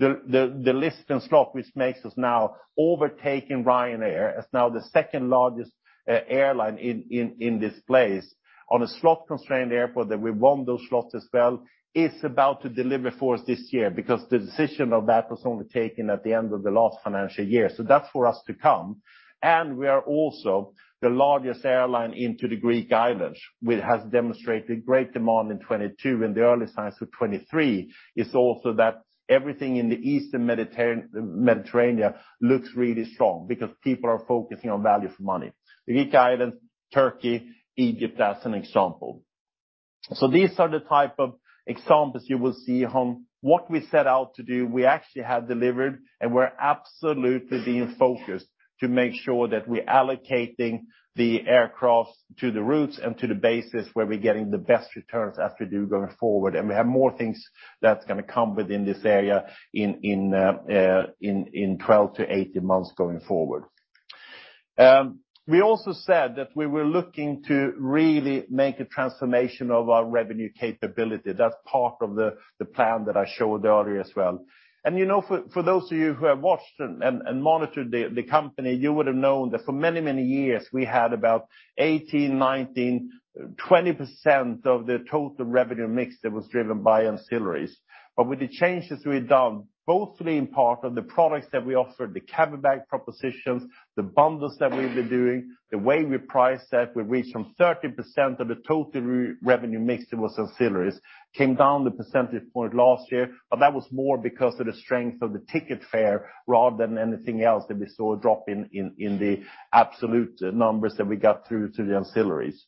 The list and slot, which makes us now overtaking Ryanair, is now the second largest airline in this place. On a slot-constrained airport that we won those slots as well, is about to deliver for us this year because the decision of that was only taken at the end of the last financial year. That's for us to come. We are also the largest airline into the Greek Islands, which has demonstrated great demand in 2022, and the early signs for 2023 is also that everything in the Eastern Mediterranean looks really strong because people are focusing on value for money. The Greek Islands, Turkey, Egypt, as an example. These are the type of examples you will see on what we set out to do, we actually have delivered, and we're absolutely being focused to make sure that we're allocating the aircraft to the routes and to the bases where we're getting the best returns as we do going forward. We have more things that's gonna come within this area in 12 to 18 months going forward. We also said that we were looking to really make a transformation of our revenue capability. That's part of the plan that I showed earlier as well. You know, for those of you who have watched and monitored the company, you would have known that for many, many years, we had about 18%, 19%, 20% of the total revenue mix that was driven by ancillaries. With the changes we've done, both to the impact of the products that we offer, the cabin bag propositions, the bundles that we've been doing, the way we price that, we've reached some 30% of the total re-revenue mix that was ancillaries. Came down one percentage point last year, but that was more because of the strength of the ticket fare rather than anything else that we saw a drop in the absolute numbers that we got through to the ancillaries.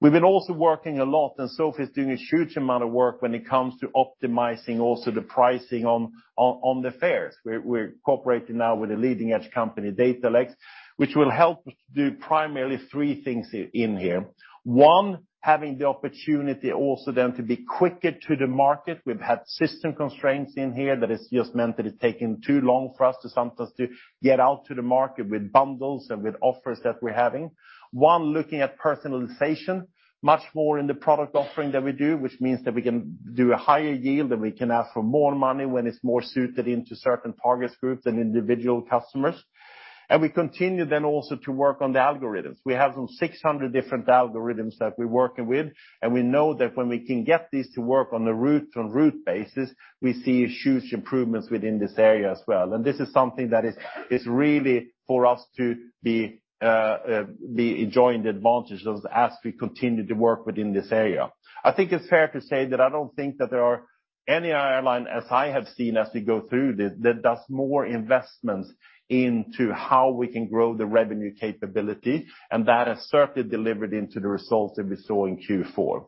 We've been also working a lot, Sophie is doing a huge amount of work when it comes to optimizing also the pricing on the fares. We're cooperating now with a leading-edge company, Datalex, which will help do primarily three things in here. One, having the opportunity also then to be quicker to the market. We've had system constraints in here that has just meant that it's taking too long for us to sometimes to get out to the market with bundles and with offers that we're having. One, looking at personalization much more in the product offering that we do, which means that we can do a higher yield, we can ask for more money when it's more suited into certain target groups and individual customers. We continue then also to work on the algorithms. We have some 600 different algorithms that we're working with, we know that when we can get these to work on a route-on-route basis, we see huge improvements within this area as well. This is something that is really for us to be enjoying the advantages as we continue to work within this area. I think it's fair to say that I don't think that there are any airline, as I have seen as we go through this, that does more investments into how we can grow the revenue capability, and that has certainly delivered into the results that we saw in Q4.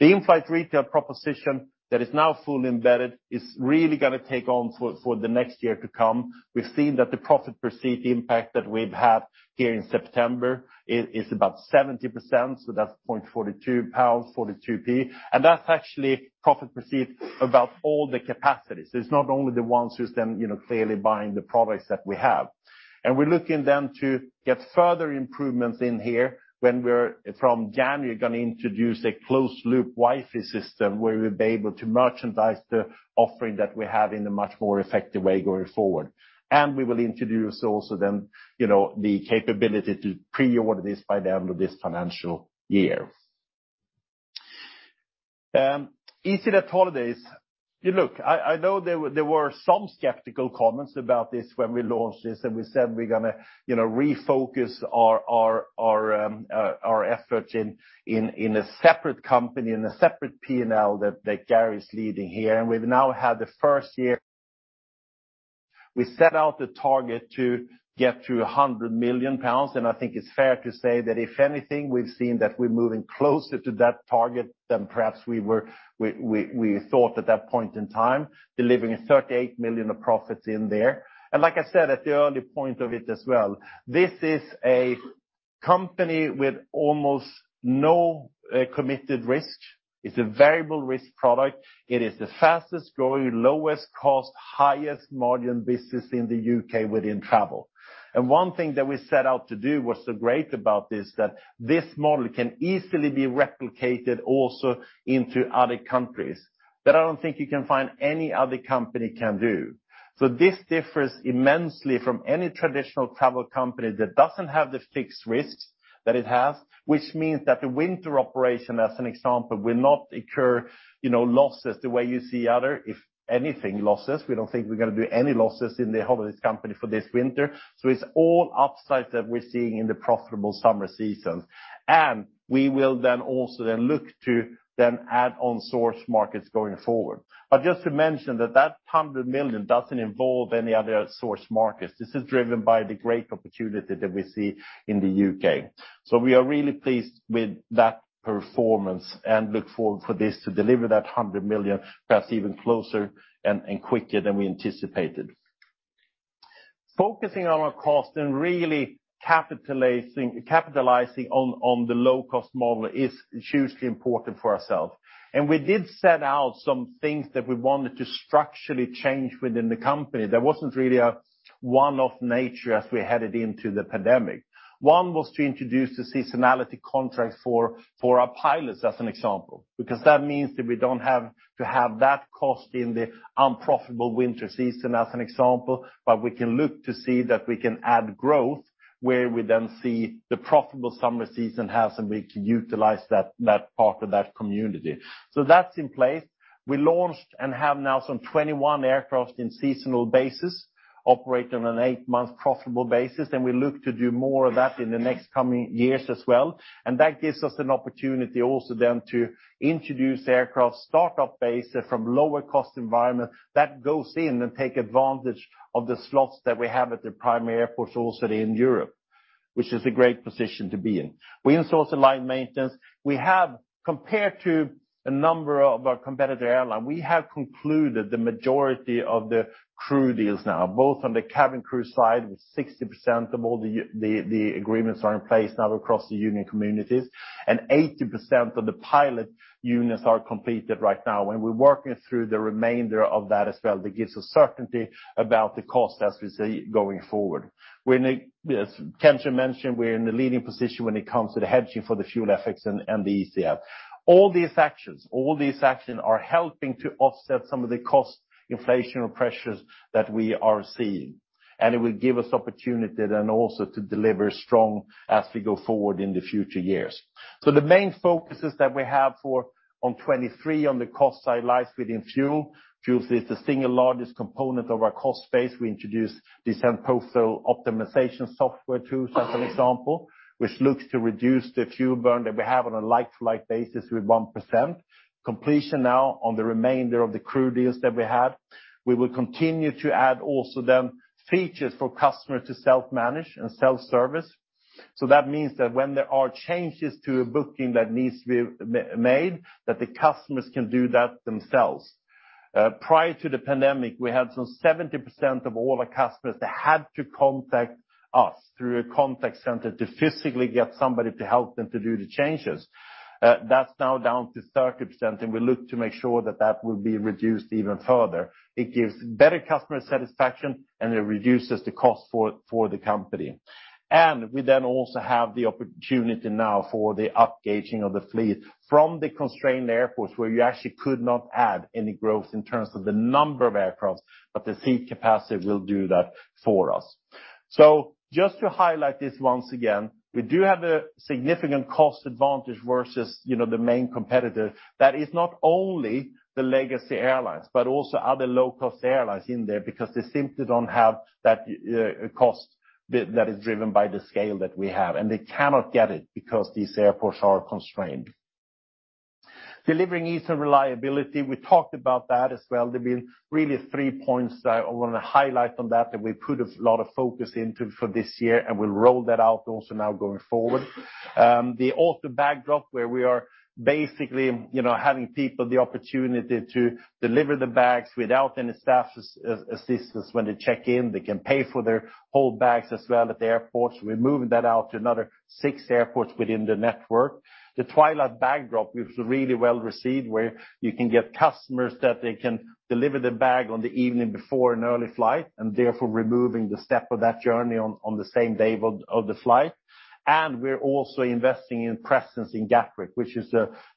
The In-Flight Retail proposition that is now fully embedded is really gonna take on for the next year to come. We've seen that the profit per seat impact that we've had here in September is about 70%, so that's 0.42 pounds, 0.42. That's actually profit per seat above all the capacities. It's not only the ones who's then, you know, clearly buying the products that we have. We're looking then to get further improvements in here when we're, from January, gonna introduce a closed-loop Wi-Fi system where we'll be able to merchandise the offering that we have in a much more effective way going forward. We will introduce also then, you know, the capability to pre-order this by the end of this financial year. easyJet Holidays. Look, I know there were some skeptical comments about this when we launched this, and we said we're gonna, you know, refocus our efforts in a separate company, in a separate P&L that Gary's leading here. We've now had the first year. We set out the target to get to 100 million pounds, I think it's fair to say that if anything, we've seen that we're moving closer to that target than perhaps we thought at that point in time, delivering 38 million of profits in there. Like I said at the early point of it as well, this is a company with almost no committed risk. It's a variable risk product. It is the fastest-growing, lowest cost, highest margin business in the U.K. within travel. One thing that we set out to do, what's so great about this, that this model can easily be replicated also into other countries. That I don't think you can find any other company can do. This differs immensely from any traditional travel company that doesn't have the fixed risks that it has, which means that the winter operation, as an example, will not incur, you know, losses the way you see other, if anything, losses. We don't think we're gonna do any losses in the holidays company for this winter. It's all upsides that we're seeing in the profitable summer season. We will then also then look to then add on source markets going forward. Just to mention that that 100 million doesn't involve any other source markets. This is driven by the great opportunity that we see in the U.K. We are really pleased with that performance and look forward for this to deliver that 100 million, perhaps even closer and quicker than we anticipated. Focusing on our cost and really capitalizing on the low-cost model is hugely important for ourselves. We did set out some things that we wanted to structurally change within the company. There wasn't really a one-off nature as we headed into the pandemic. One was to introduce the seasonality contract for our pilots, as an example, because that means that we don't have to have that cost in the unprofitable winter season, as an example. We can look to see that we can add growth where we then see the profitable summer season has, and we can utilize that part of that community. That's in place. We launched and have now some 21 aircraft in seasonal basis, operate on an 8-month profitable basis, and we look to do more of that in the next coming years as well. That gives us an opportunity also then to introduce aircraft start-up base from lower cost environment that goes in and take advantage of the slots that we have at the primary airports also in Europe, which is a great position to be in. We insource the line maintenance. We have, compared to a number of our competitor airline, concluded the majority of the crew deals now, both on the cabin crew side, with 60% of all the agreements are in place now across the union communities, and 80% of the pilot units are completed right now. We're working through the remainder of that as well. That gives us certainty about the cost as we see going forward. We're in a, as Kenton mentioned, we're in the leading position when it comes to the hedging for the fuel effects and the ECF. All these actions are helping to offset some of the cost inflation or pressures that we are seeing. It will give us opportunity then also to deliver strong as we go forward in the future years. The main focuses that we have for, on 2023 on the cost side lies within fuel. Fuel is the single largest component of our cost base. We introduced Descent Profile Optimization software tools, as an example, which looks to reduce the fuel burn that we have on a like-to-like basis with 1%. Completion now on the remainder of the crew deals that we have. We will continue to add also features for customers to self-manage and self-service. That means that when there are changes to a booking that needs to be made, that the customers can do that themselves. Prior to the pandemic, we had some 70% of all our customers that had to contact us through a contact center to physically get somebody to help them to do the changes. That's now down to 30%, we look to make sure that that will be reduced even further. It gives better customer satisfaction, it reduces the cost for the company. We also have the opportunity now for the upgauging of the fleet from the constrained airports, where you actually could not add any growth in terms of the number of aircraft, the seat capacity will do that for us. Just to highlight this once again, we do have a significant cost advantage versus, you know, the main competitor. That is not only the legacy airlines, but also other low-cost airlines in there because they simply don't have that cost that is driven by the scale that we have. They cannot get it because these airports are constrained. Delivering ease and reliability, we talked about that as well. There've been really three points that I wanna highlight on that we put a lot of focus into for this year, and we'll roll that out also now going forward. The Auto Bag Drop, where we are basically, you know, having people the opportunity to deliver the bags without any staff assistance when they check in. They can pay for their whole bags as well at the airports. We're moving that out to another six airports within the network. The Twilight Bag Drop, which is really well received, where you can get customers that they can deliver the bag on the evening before an early flight, and therefore removing the step of that journey on the same day of the flight. We're also investing in presence in Gatwick, which is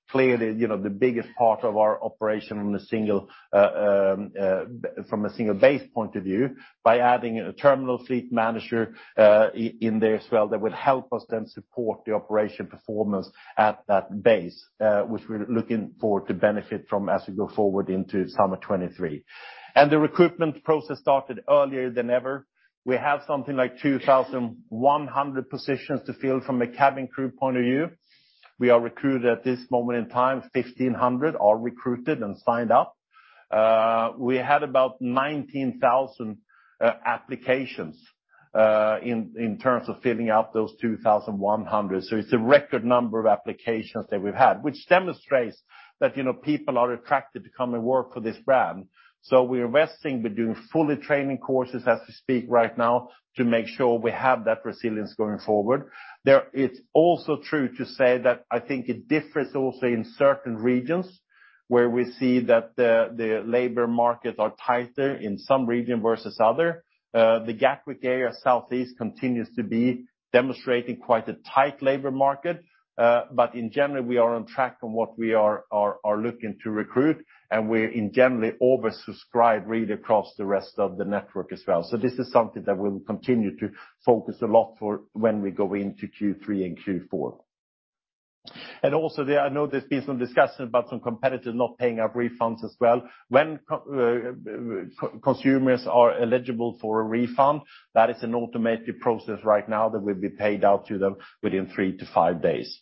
clearly, you know, the biggest part of our operation on a single from a single base point of view by adding a terminal fleet manager in there as well that will help us then support the operation performance at that base, which we're looking forward to benefit from as we go forward into summer 2023. The recruitment process started earlier than ever. We have something like 2,100 positions to fill from a cabin crew point of view. We are recruited at this moment in time, 1,500 are recruited and signed up. We had about 19,000 applications in terms of filling out those 2,100. It's a record number of applications that we've had, which demonstrates that, you know, people are attracted to come and work for this brand. We're investing. We're doing fully training courses as we speak right now to make sure we have that resilience going forward. There, it's also true to say that I think it differs also in certain regions, where we see that the labor markets are tighter in some region versus other. The Gatwick area Southeast continues to be demonstrating quite a tight labor market. In general, we are on track on what we are looking to recruit, and we're in generally oversubscribed really across the rest of the network as well. This is something that we'll continue to focus a lot for when we go into Q3 and Q4. Also there, I know there's been some discussion about some competitors not paying out refunds as well. When consumers are eligible for a refund, that is an automated process right now that will be paid out to them within 3 to 5 days.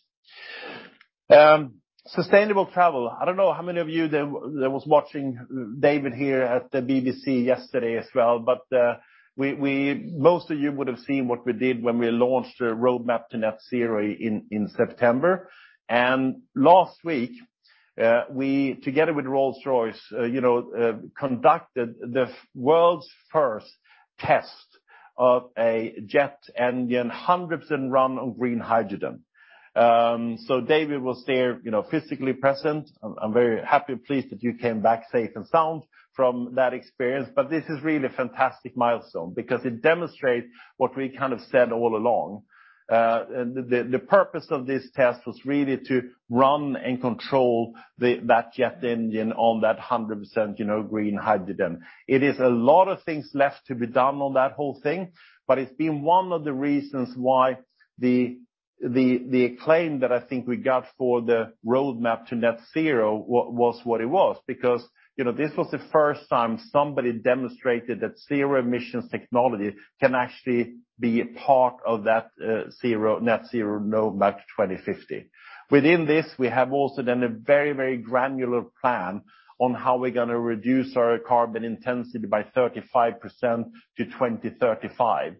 Sustainable travel. I don't know how many of you there was watching David here at the BBC yesterday as well. Most of you would have seen what we did when we launched a roadmap to net zero in September. Last week, we together with Rolls-Royce, you know, conducted the world's first test of a jet engine, 100% run on green hydrogen. David was there, you know, physically present. I'm very happy and pleased that you came back safe and sound from that experience. This is really a fantastic milestone because it demonstrates what we kind of said all along. The purpose of this test was really to run and control that jet engine on that 100%, you know, green hydrogen. It is a lot of things left to be done on that whole thing, but it's been one of the reasons why the acclaim that I think we got for the roadmap to net zero was what it was. You know, this was the first time somebody demonstrated that zero emissions technology can actually be a part of that net zero know about 2050. Within this, we have also done a very, very granular plan on how we're gonna reduce our carbon intensity by 35% to 2035.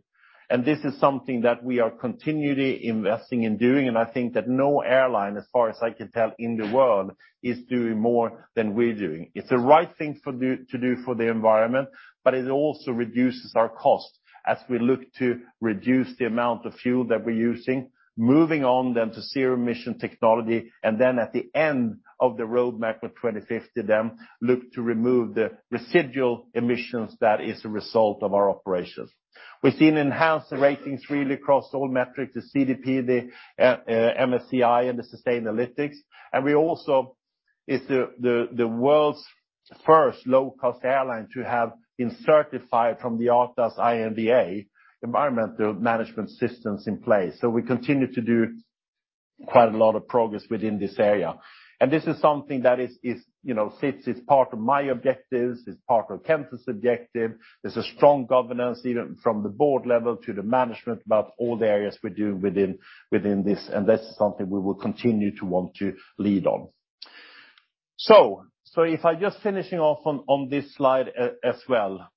This is something that we are continually investing in doing. I think that no airline, as far as I can tell, in the world, is doing more than we're doing. It's the right thing to do for the environment, but it also reduces our costs as we look to reduce the amount of fuel that we're using, moving on then to zero emission technology. At the end of the roadmap of 2050 then look to remove the residual emissions that is a result of our operations. We've seen enhanced ratings really across all metrics, the CDP, the MSCI and the Sustainalytics. We also, it's the world's first low-cost airline to have been certified from the IATA IEnvA environmental management systems in place. We continue to do quite a lot of progress within this area. This is something that is, you know, sits as part of my objectives, is part of Kenton's objective. There's a strong governance, even from the board level to the management about all the areas we do within this, and that's something we will continue to want to lead on. If I just finishing off on this slide as well.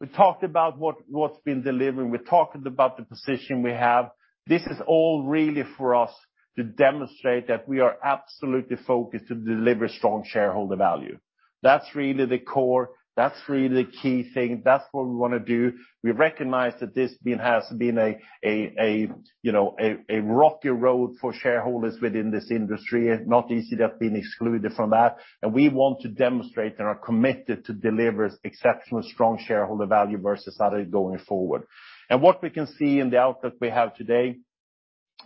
We talked about what's been delivering. We talked about the position we have. This is all really for us to demonstrate that we are absolutely focused to deliver strong shareholder value. That's really the core. That's really the key thing. That's what we wanna do. We recognize that has been a, you know, a rocky road for shareholders within this industry. Not easy to have been excluded from that. We want to demonstrate and are committed to deliver exceptional strong shareholder value versus other going forward. What we can see in the outlook we have today,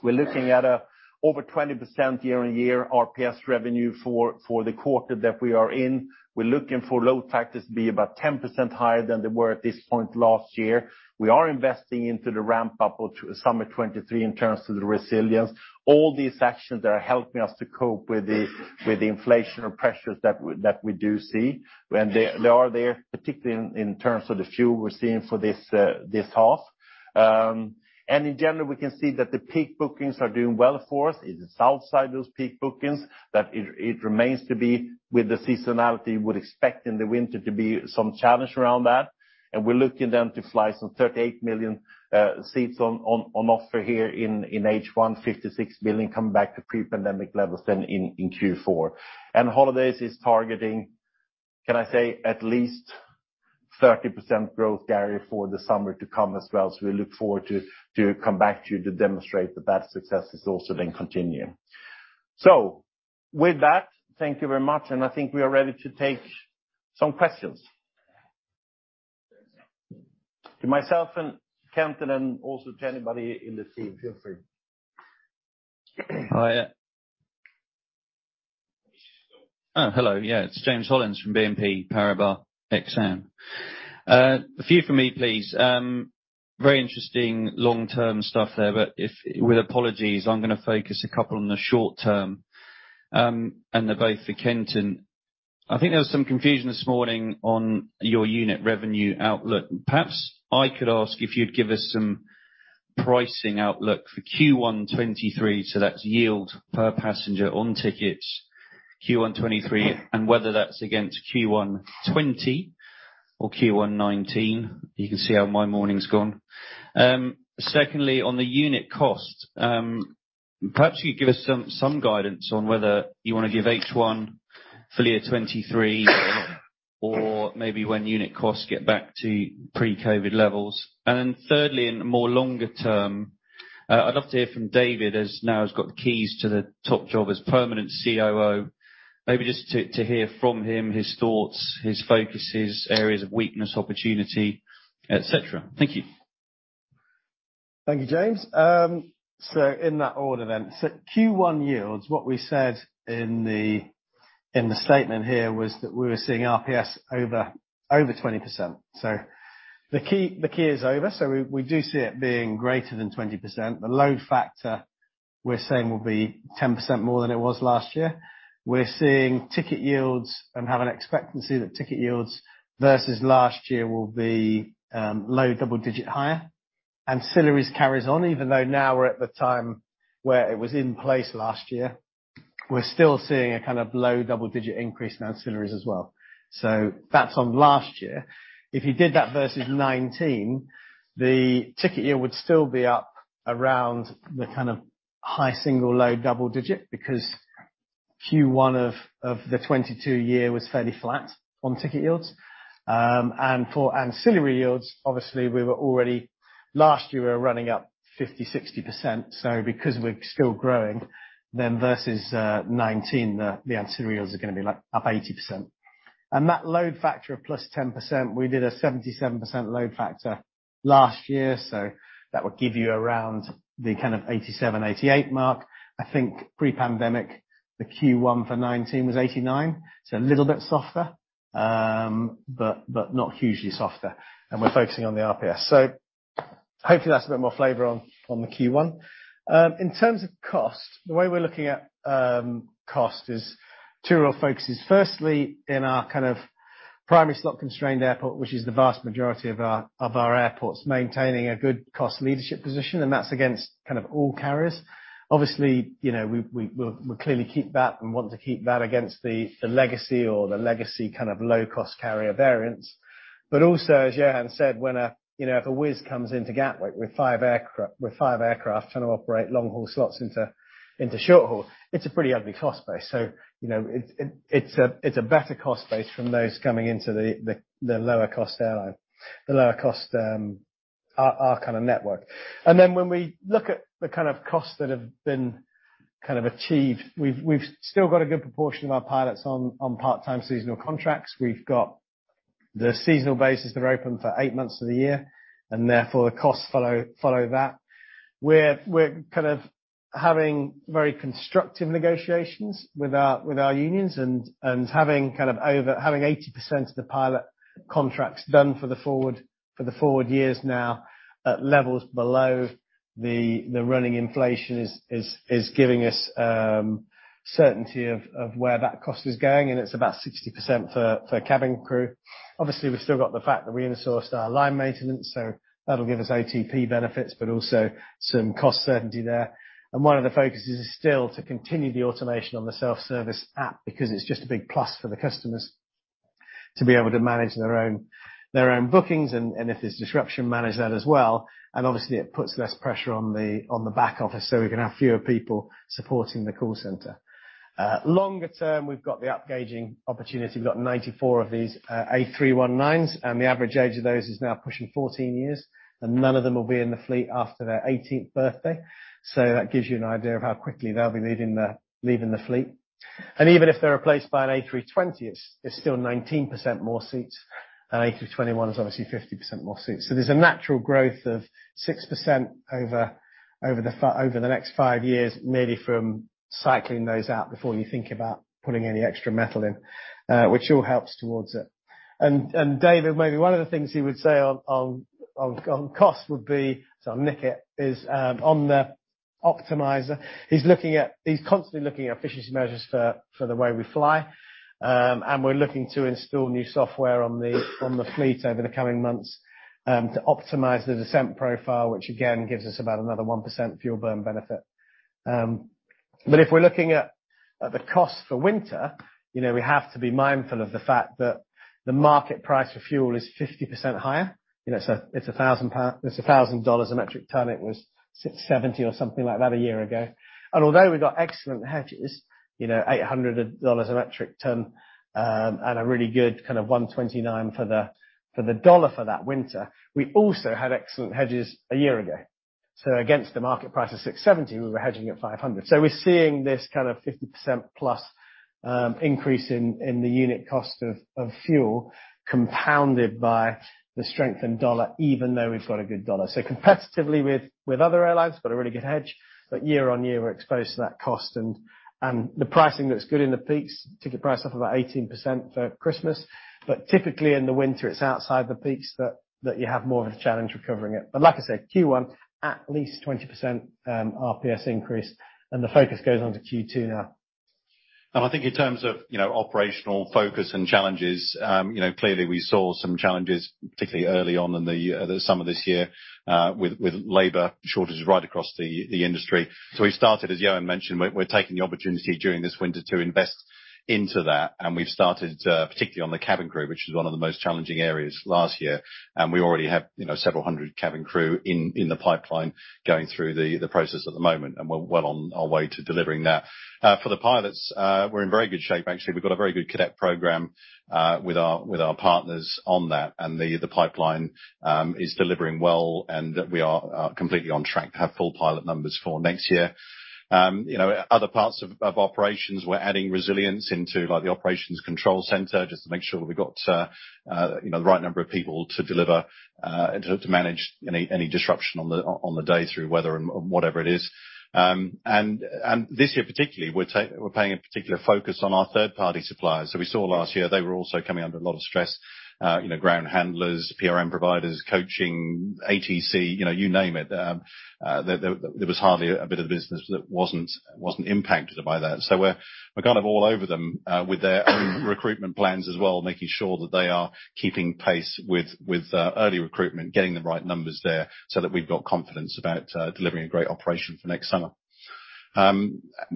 we're looking at a over 20% year-on-year RPS revenue for the quarter that we are in. We're looking for load factors to be about 10% higher than they were at this point last year. We are investing into the ramp-up of summer 2023 in terms of the resilience. All these actions are helping us to cope with the, with the inflation or pressures that we, that we do see when they are there, particularly in terms of the fuel we're seeing for this half. In general, we can see that the peak bookings are doing well for us. It's outside those peak bookings that it remains to be, with the seasonality, we'd expect in the winter to be some challenge around that. We're looking then to fly some 38 million seats on offer here in H1, 56 million come back to pre-pandemic levels then in Q4. Holidays is targeting, can I say, at least 30% growth carry for the summer to come as well. We look forward to come back to you to demonstrate that that success is also then continuing. With that, thank you very much, and I think we are ready to take some questions. To myself and Kenton and also to anybody in the team, feel free. Hiya. Hello. Yeah, it's James Hollins from BNP Paribas Exane. A few from me, please. Very interesting long-term stuff there, but with apologies, I'm gonna focus a couple on the short term, and they're both for Kenton. I think there was some confusion this morning on your unit revenue outlook. Perhaps I could ask if you'd give us some pricing outlook for Q1 2023, so that's yield per passenger on tickets Q1 2023, and whether that's against Q1 2020 or Q1 2019. You can see how my morning's gone. Secondly, on the unit cost, perhaps you could give us some guidance on whether you wanna give H1 for year 2023, or maybe when unit costs get back to pre-COVID levels. Thirdly, in the more longer term, I'd love to hear from David, as now he's got the keys to the top job as permanent COO. Maybe just to hear from him his thoughts, his focuses, areas of weakness, opportunity, et cetera. Thank you. Thank you, James. In that order then. Q1 yields, what we said in the statement here was that we were seeing RPS over 20%. The key is over. We do see it being greater than 20%. The load factor we're saying will be 10% more than it was last year. We're seeing ticket yields and have an expectancy that ticket yields versus last year will be low double-digit higher. Ancillaries carries on even though now we're at the time where it was in place last year. We're still seeing a kind of low double-digit increase in ancillaries as well. That's on last year. If you did that versus 2019, the ticket year would still be up around the kind of high single, low double digit because Q1 of the 2022 year was fairly flat on ticket yields. For ancillary yields, obviously we were last year we were running up 50%, 60%, because we're still growing then versus 2019 the ancillary yields are gonna be like up 80%. That load factor of +10%, we did a 77% load factor last year, that would give you around the kind of 87, 88 mark. I think pre-pandemic, the Q1 for 2019 was 89, a little bit softer, but not hugely softer. We're focusing on the RPS. Hopefully that's a bit more flavor on the Q1. In terms of cost, the way we're looking at cost is two real focuses. Firstly, in our kind of primary slot-constrained airport, which is the vast majority of our airports, maintaining a good cost leadership position, and that's against kind of all carriers. Obviously, you know, we'll clearly keep that and want to keep that against the legacy or the legacy kind of low-cost carrier variants. Also, as Johan said, when a, you know, if a Wizz comes into Gatwick with five aircraft trying to operate long-haul slots into short-haul, it's a pretty ugly cost base. You know, it's a better cost base from those coming into the lower cost airline, the lower cost, our kind of network. When we look at the kind of costs that have been kind of achieved, we've still got a good proportion of our pilots on part-time seasonal contracts. We've got the seasonal bases that are open for eight months of the year, the costs follow that. We're kind of having very constructive negotiations with our unions and having 80% of the pilot contracts done for the forward years now at levels below the running inflation is giving us certainty of where that cost is going, and it's about 60% for cabin crew. Obviously, we've still got the fact that we insourced our line maintenance, that'll give us ATP benefits, but also some cost certainty there. One of the focuses is still to continue the automation on the self-service app because it's just a big plus for the customers to be able to manage their own, their own bookings and if there's disruption, manage that as well. Obviously it puts less pressure on the, on the back office, so we can have fewer people supporting the call center. Longer term, we've got the upgauging opportunity. We've got 94 of these A319s, and the average age of those is now pushing 14 years, and none of them will be in the fleet after their 18th birthday. That gives you an idea of how quickly they'll be leaving the, leaving the fleet. Even if they're replaced by an A320, it's still 19% more seats. An A321 is obviously 50% more seats. There's a natural growth of 6% over the next five years merely from cycling those out before you think about putting any extra metal in, which all helps towards it. David, maybe one of the things he would say on cost would be, so I'll nick it, is on the optimizer. He's constantly looking at efficiency measures for the way we fly. We're looking to install new software on the fleet over the coming months to optimize the Descent Profile, which again, gives us about another 1% fuel burn benefit. If we're looking at the cost for winter, you know, we have to be mindful of the fact that the market price for fuel is 50% higher. You know, it's a 1,000 pound. It's a $1,000 a metric ton. It was 670 or something like that a year ago. Although we've got excellent hedges, you know, $800 a metric ton, and a really good kind of 1.29 for the dollar for that winter, we also had excellent hedges a year ago. Against the market price of 670, we were hedging at 500. We're seeing this kind of 50%+ increase in the unit cost of fuel compounded by the strengthened dollar even though we've got a good dollar. Competitively with other airlines, got a really good hedge, but year on year, we're exposed to that cost. The pricing looks good in the peaks. Ticket price off about 18% for Christmas. Typically, in the winter, it's outside the peaks that you have more of a challenge recovering it. Like I said, Q1, at least 20% RPS increase. The focus goes on to Q2 now. I think in terms of, you know, operational focus and challenges, you know, clearly we saw some challenges, particularly early on in the year, the summer this year, with labor shortages right across the industry. We started, as Johan mentioned, we're taking the opportunity during this winter to invest into that. We've started, particularly on the cabin crew, which is one of the most challenging areas last year. We already have, you know, several hundred cabin crew in the pipeline going through the process at the moment. We're well on our way to delivering that. For the pilots, we're in very good shape, actually. We've got a very good cadet program with our partners on that and the pipeline. is delivering well, that we are completely on track to have full pilot numbers for next year. you know, other parts of operations, we're adding resilience into, like, the operations control center just to make sure we've got, you know, the right number of people to deliver and to manage any disruption on the day through weather and whatever it is. and this year particularly, we're paying a particular focus on our third-party suppliers. we saw last year they were also coming under a lot of stress, you know, ground handlers, PRM providers, coaching, ATC, you know, you name it. there was hardly a bit of business that wasn't impacted by that. We're kind of all over them with their recruitment plans as well, making sure that they are keeping pace with early recruitment, getting the right numbers there so that we've got confidence about delivering a great operation for next summer. We're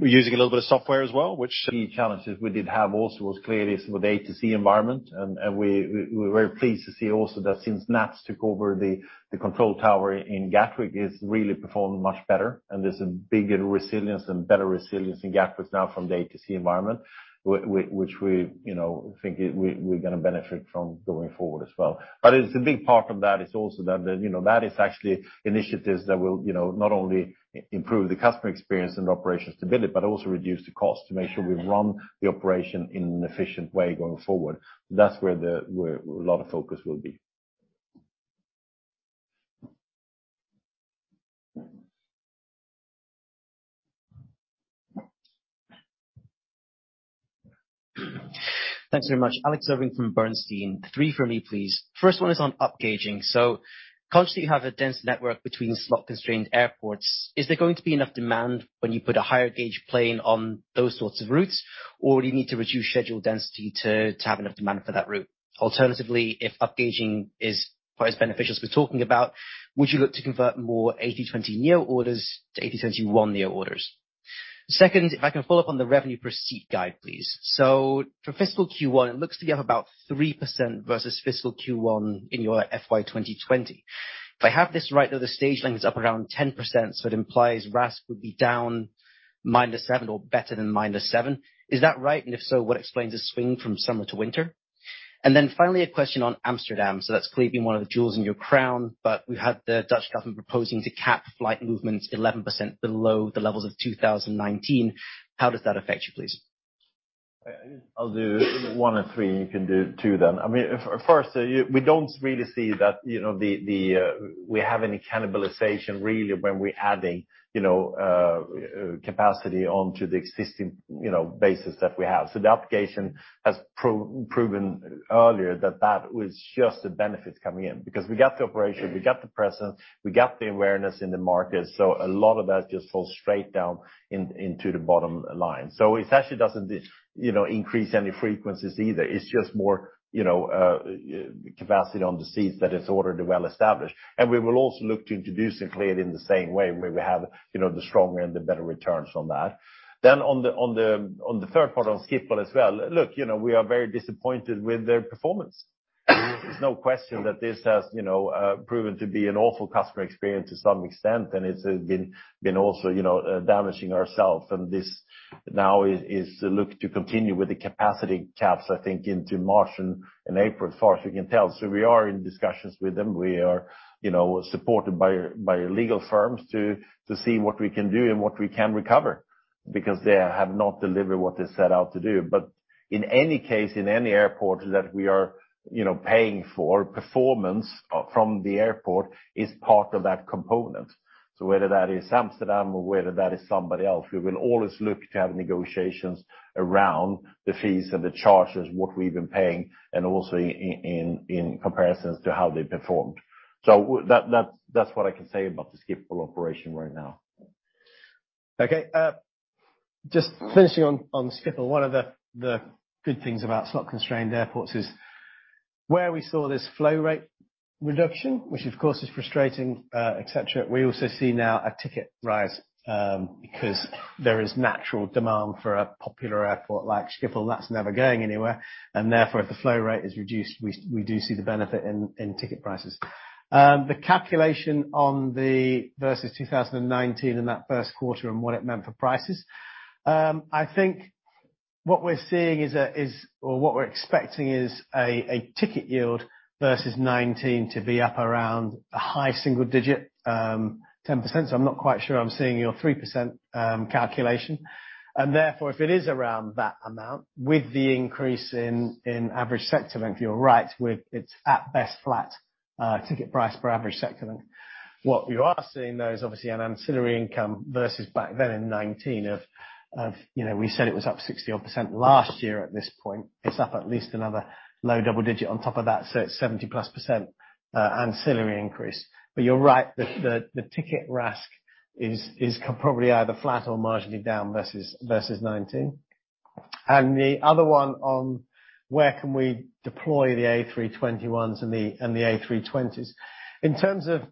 using a little bit of software as well. The challenges we did have also was clearly with ATC environment, and we were very pleased to see also that since NATS took over the control tower in Gatwick is really performing much better. There's a bigger resilience and better resilience in Gatwick now from the ATC environment, which we, you know, think We're gonna benefit from going forward as well. It's a big part of that is also that, you know, that is actually initiatives that will, you know, not only improve the customer experience and operations stability, but also reduce the cost to make sure we run the operation in an efficient way going forward. That's where a lot of focus will be. Thanks very much. Alex Irving from Bernstein. 3 for me, please. First one is on upgauging. Constantly you have a dense network between slot-constrained airports. Is there going to be enough demand when you put a higher gauge plane on those sorts of routes, or do you need to reduce schedule density to have enough demand for that route? Alternatively, if upgauging is quite as beneficial as we're talking about, would you look to convert more A320neo orders to A321neo orders? Second, if I can follow up on the revenue per seat guide, please. For fiscal Q1, it looks to be up about 3% versus fiscal Q1 in your FY 2020. If I have this right, though, the stage length is up around 10%, so it implies RASK would be down -7 or better than -7. Is that right? If so, what explains the swing from summer to winter? Finally, a question on Amsterdam. That's clearly been one of the jewels in your crown, but we've had the Dutch government proposing to cap flight movements 11% below the levels of 2019. How does that affect you, please? I'll do one and three, and you can do two then. I mean, first, we don't really see that, you know, the, we have any cannibalization really when we're adding, you know, capacity onto the existing, you know, basis that we have. The upgauging has proven earlier that that was just the benefits coming in. We got the operation, we got the presence, we got the awareness in the market, a lot of that just falls straight down into the bottom line. It actually doesn't, you know, increase any frequencies either. It's just more, you know, capacity on the seats that is already well-established. We will also look to introduce it clearly in the same way, where we have, you know, the stronger and the better returns on that. On the third part on Schiphol as well, look, you know, we are very disappointed with their performance. There's no question that this has, you know, proven to be an awful customer experience to some extent, and it's been also, you know, damaging ourselves. This now is looked to continue with the capacity caps, I think, into March and April, as far as we can tell. We are in discussions with them. We are, you know, supported by legal firms to see what we can do and what we can recover, because they have not delivered what they set out to do. In any case, in any airport that we are, you know, paying for, performance from the airport is part of that component. Whether that is Amsterdam or whether that is somebody else, we will always look to have negotiations around the fees and the charges, what we've been paying, and also in comparisons to how they performed. That's what I can say about the Schiphol operation right now. Okay. Just finishing on Schiphol, one of the good things about slot-constrained airports is where we saw this flow rate reduction, which of course is frustrating, et cetera, we also see now a ticket rise because there is natural demand for a popular airport like Schiphol. That's never going anywhere. Therefore, if the flow rate is reduced, we do see the benefit in ticket prices. The calculation on the versus 2019 in that Q1 and what it meant for prices, I think what we're expecting is a ticket yield versus 19 to be up around a high single digit, 10%. I'm not quite sure I'm seeing your 3% calculation. If it is around that amount, with the increase in average sector length, you're right. It's at best flat, ticket price per average sector length. What we are seeing, though, is obviously an ancillary income versus back then in 19 of, you know, we said it was up 60% last year at this point. It's up at least another low double digit on top of that, so it's 70%+ ancillary increase. You're right. The ticket RASK is probably either flat or marginally down versus 19. The other one on where can we deploy the A321s and the A320s. In terms of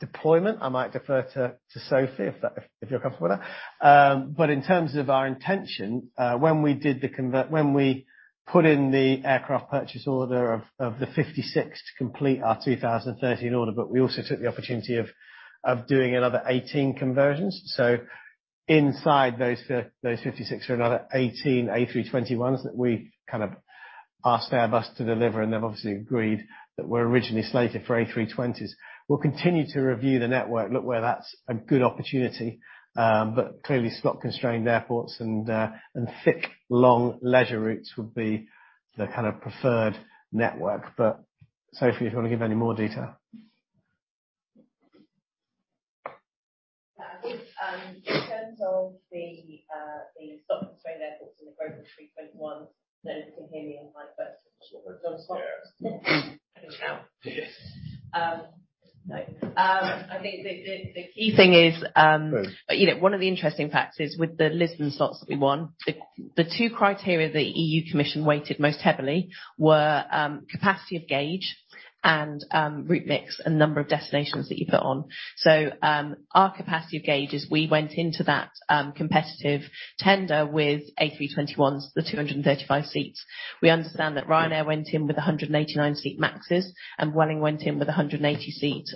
deployment, I might defer to Sophie if that, if you're comfortable with that. In terms of our intention, when we put in the aircraft purchase order of the 56 to complete our 2013 order, but we also took the opportunity of doing another 18 conversions. Inside 56 are another 18 A321s that we kind of asked Airbus to deliver, and they've obviously agreed, that were originally slated for A320s. We'll continue to review the network, look where that's a good opportunity. Clearly slot-constrained airports and thick, long leisure routes would be the kind of preferred network. Sophie, if you wanna give any more detail. Yeah. I think, in terms of the slot-constrained airports and the growth of the A321s. Don't know if you can hear me on my mic, but no. I think the, the key thing is, you know, one of the interesting facts is with the Lisbon slots that we won, the two criteria the European Commission weighted most heavily were, capacity of gauge and, route mix and number of destinations that you put on. Our capacity of gauge is we went into that, competitive tender with A321s, the 235 seats. We understand that Ryanair went in with 189-seat MAXes, and Vueling went in with a 180-seat,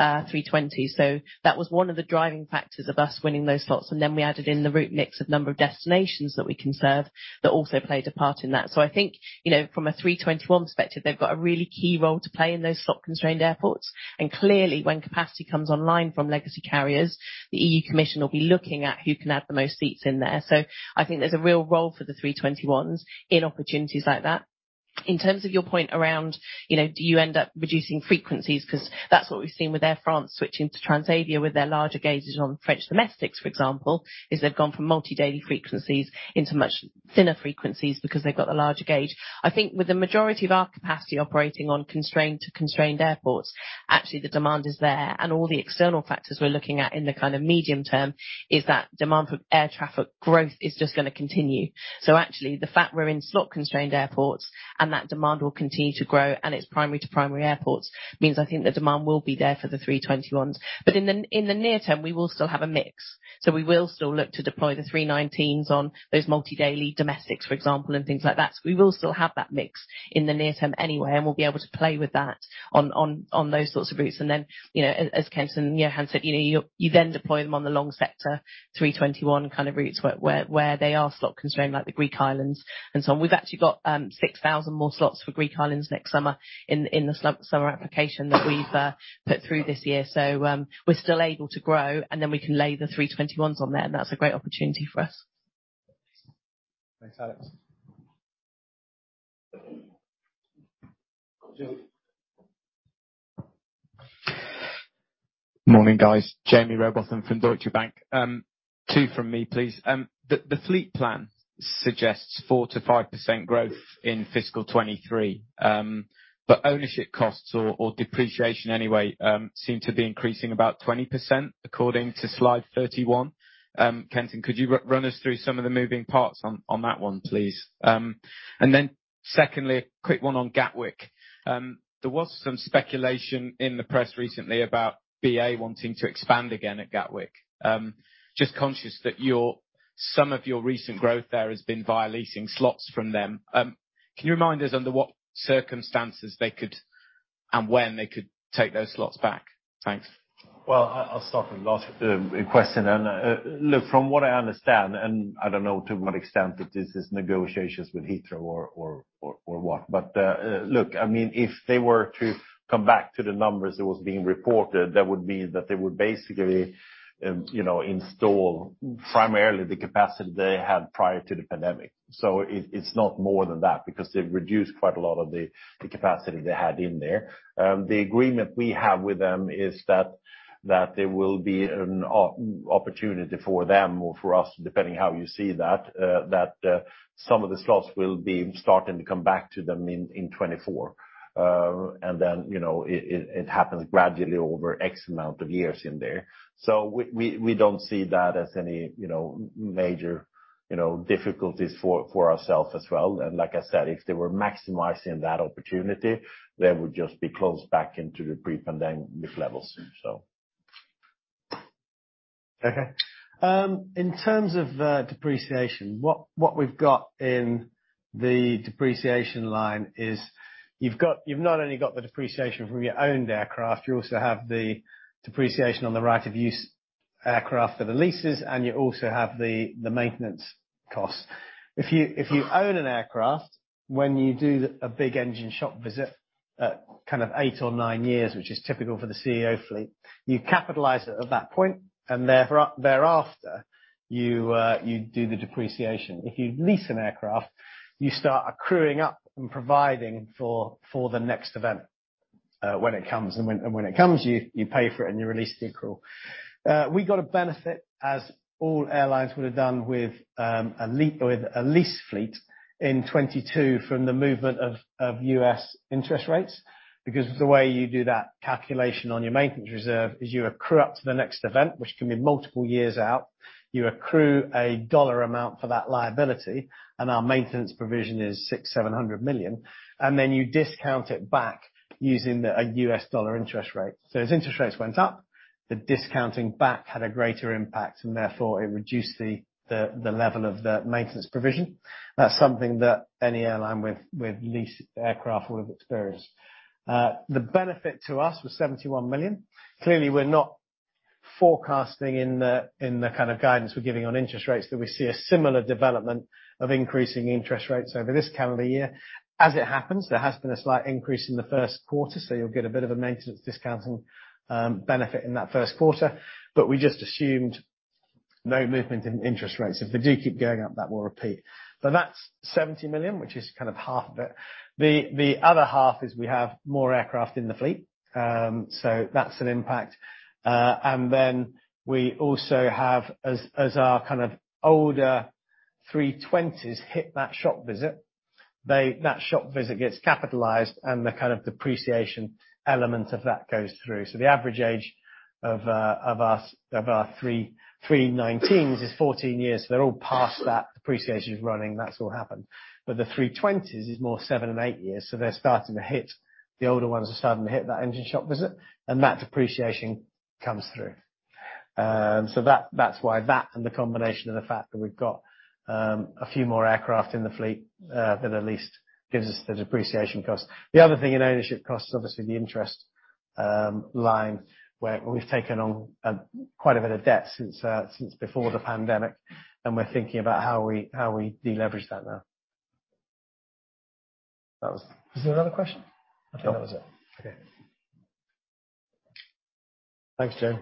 A320. That was one of the driving factors of us winning those slots. We added in the route mix of number of destinations that we can serve that also played a part in that. I think, you know, from a A321s perspective, they've got a really key role to play in those slot-constrained airports. Clearly, when capacity comes online from legacy carriers, the EU Commission will be looking at who can add the most seats in there. I think there's a real role for the A321s in opportunities like that. In terms of your point around, you know, do you end up reducing frequencies? 'Cause that's what we've seen with Air France switching to Transavia with their larger gauges on French domestics, for example, is they've gone from multi-daily frequencies into much thinner frequencies because they've got the larger gauge. I think with the majority of our capacity operating on constrained to constrained airports, actually the demand is there. All the external factors we're looking at in the kind of medium term is that demand for air traffic growth is just gonna continue. Actually, the fact we're in slot-constrained airports and that demand will continue to grow and it's primary to primary airports, means I think the demand will be there for the A321s. In the near term, we will still have a mix. We will still look to deploy theA319s on those multi-daily domestics, for example, and things like that. We will still have that mix in the near term anyway, and we'll be able to play with that on those sorts of routes. You know, as Kentin and Johan said, you know, you then deploy them on the long sector 321 kind of routes where they are slot-constrained, like the Greek Islands and so on. We've actually got 6,000 more slots for Greek Islands next summer in the summer application that we've put through this year. We're still able to grow, and then we can lay the 321s on there, and that's a great opportunity for us. Thanks. Alex. Morning, guys. Jaime Rowbotham from Deutsche Bank. Two from me, please. The fleet plan suggests 4%-5% growth in fiscal 2023. Ownership costs or depreciation anyway, seem to be increasing about 20% according to slide 31. Kenton, could you run us through some of the moving parts on that one, please? Secondly, a quick one on Gatwick. There was some speculation in the press recently about BA wanting to expand again at Gatwick. Just conscious that your some of your recent growth there has been via leasing slots from them. Can you remind us under what circumstances they could, and when they could take those slots back? Thanks. Well, I'll start with the last question. Look, from what I understand, and I don't know to what extent that this is negotiations with Heathrow or what. Look, I mean, if they were to come back to the numbers that was being reported, that would mean that they would basically, you know, install primarily the capacity they had prior to the pandemic. It's not more than that because they've reduced quite a lot of the capacity they had in there. The agreement hwe have with them is that there will be an opportunity for them or for us, depending how you see that, some of the slots will be starting to come back to them in 2024. You know, it happens gradually over X amount of years in there. We don't see that as any, you know, major, you know, difficulties for ourself as well. Like I said, if they were maximizing that opportunity, they would just be closed back into the pre-pandemic levels. Okay. In terms of depreciation, what we've got in the depreciation line is you've not only got the depreciation from your owned aircraft, you also have the depreciation on the right of use aircraft for the leases, and you also have the maintenance costs. If you own an aircraft, when you do a big engine shop visit at kind of eight or nine years, which is typical for the CEO fleet, you capitalize it at that point, and therefore, thereafter, you do the depreciation. If you lease an aircraft, you start accruing up and providing for the next event, when it comes. When it comes, you pay for it and you release the accrual. We got a benefit as all airlines would have done with a lease fleet in 2022 from the movement of US interest rates, because the way you do that calculation on your maintenance reserve is you accrue up to the next event, which can be multiple years out. You accrue a dollar amount for that liability, and our maintenance provision is $600 million-$700 million, and then you discount it back using a US dollar interest rate. As interest rates went up, the discounting back had a greater impact, and therefore it reduced the level of the maintenance provision. That's something that any airline with leased aircraft would have experienced. The benefit to us was 71 million. Clearly, forecasting in the kind of guidance we're giving on interest rates, that we see a similar development of increasing interest rates over this calendar year. As it happens, there has been a slight increase in the Q1, so you'll get a bit of a maintenance discounting benefit in that. We just assumed no movement in interest rates. If they do keep going up, that will repeat. That's 70 million, which is kind of half of it. The other half is we have more aircraft in the fleet. That's an impact. Then we also have, as our kind of older A320s hit that shop visit, that shop visit gets capitalized and the kind of depreciation element of that goes through. The average age of our three-nineteens is 14 years. They're all past that. Depreciation is running. That's all happened. The A320s is more 7 and 8 years. They're starting to hit. The older ones are starting to hit that engine shop visit, and that depreciation comes through. That, that's why that and the combination of the fact that we've got a few more aircraft in the fleet that at least gives us the depreciation cost. The other thing in ownership costs is obviously the interest line, where we've taken on quite a bit of debt since since before the pandemic, and we're thinking about how we, how we de-leverage that now. That was. Is there another question? No. I think that was it. Okay. Thanks, Joe.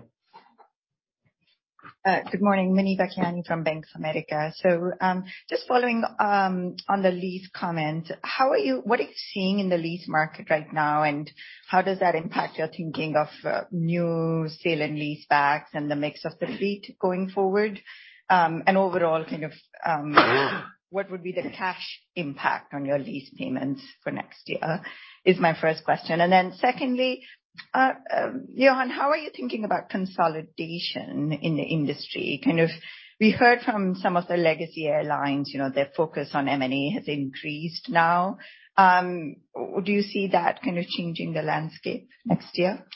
Good morning. Muneeba Kayani from Bank of America. Just following on the lease comment, what are you seeing in the lease market right now, and how does that impact your thinking of new sale and lease backs and the mix of the fleet going forward? Overall, kind of, what would be the cash impact on your lease payments for next year, is my first question. Secondly, Johan, how are you thinking about consolidation in the industry? Kind of we heard from some of the legacy airlines, you know, their focus on M&A has increased now. Do you see that kind of changing the landscape next year?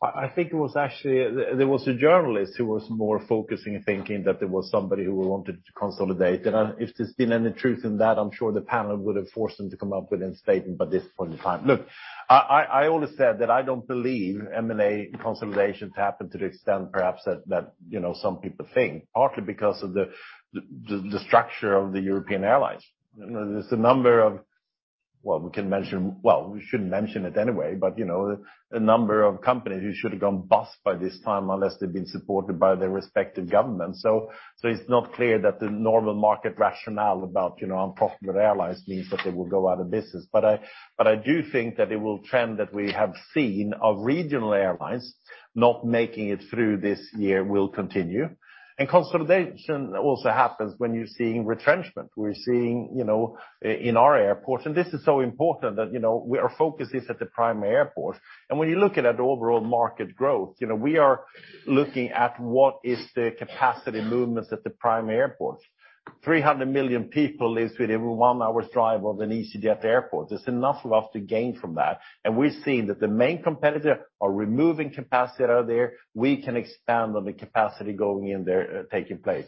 I think it was actually, there was a journalist who was more focusing, thinking that there was somebody who wanted to consolidate. If there's been any truth in that, I'm sure the panel would have forced him to come up with a statement by this point in time. Look, I always said that I don't believe M&A consolidations happen to the extent perhaps that, you know, some people think, partly because of the structure of the European airlines. You know, there's a number of, we can mention, we shouldn't mention it anyway, but, you know, a number of companies who should have gone bust by this time unless they've been supported by their respective governments. It's not clear that the normal market rationale about, you know, unprofitable airlines means that they will go out of business. I do think that it will trend that we have seen of regional airlines not making it through this year will continue. Consolidation also happens when you're seeing retrenchment. We're seeing, you know, in our airports, and this is so important that, you know, our focus is at the prime airport. When you're looking at overall market growth, you know, we are looking at what is the capacity movements at the prime airports. 300 million people lives within one hour's drive of an easyJet airport. There's enough of us to gain from that. We're seeing that the main competitor are removing capacity out of there. We can expand on the capacity going in there, taking place.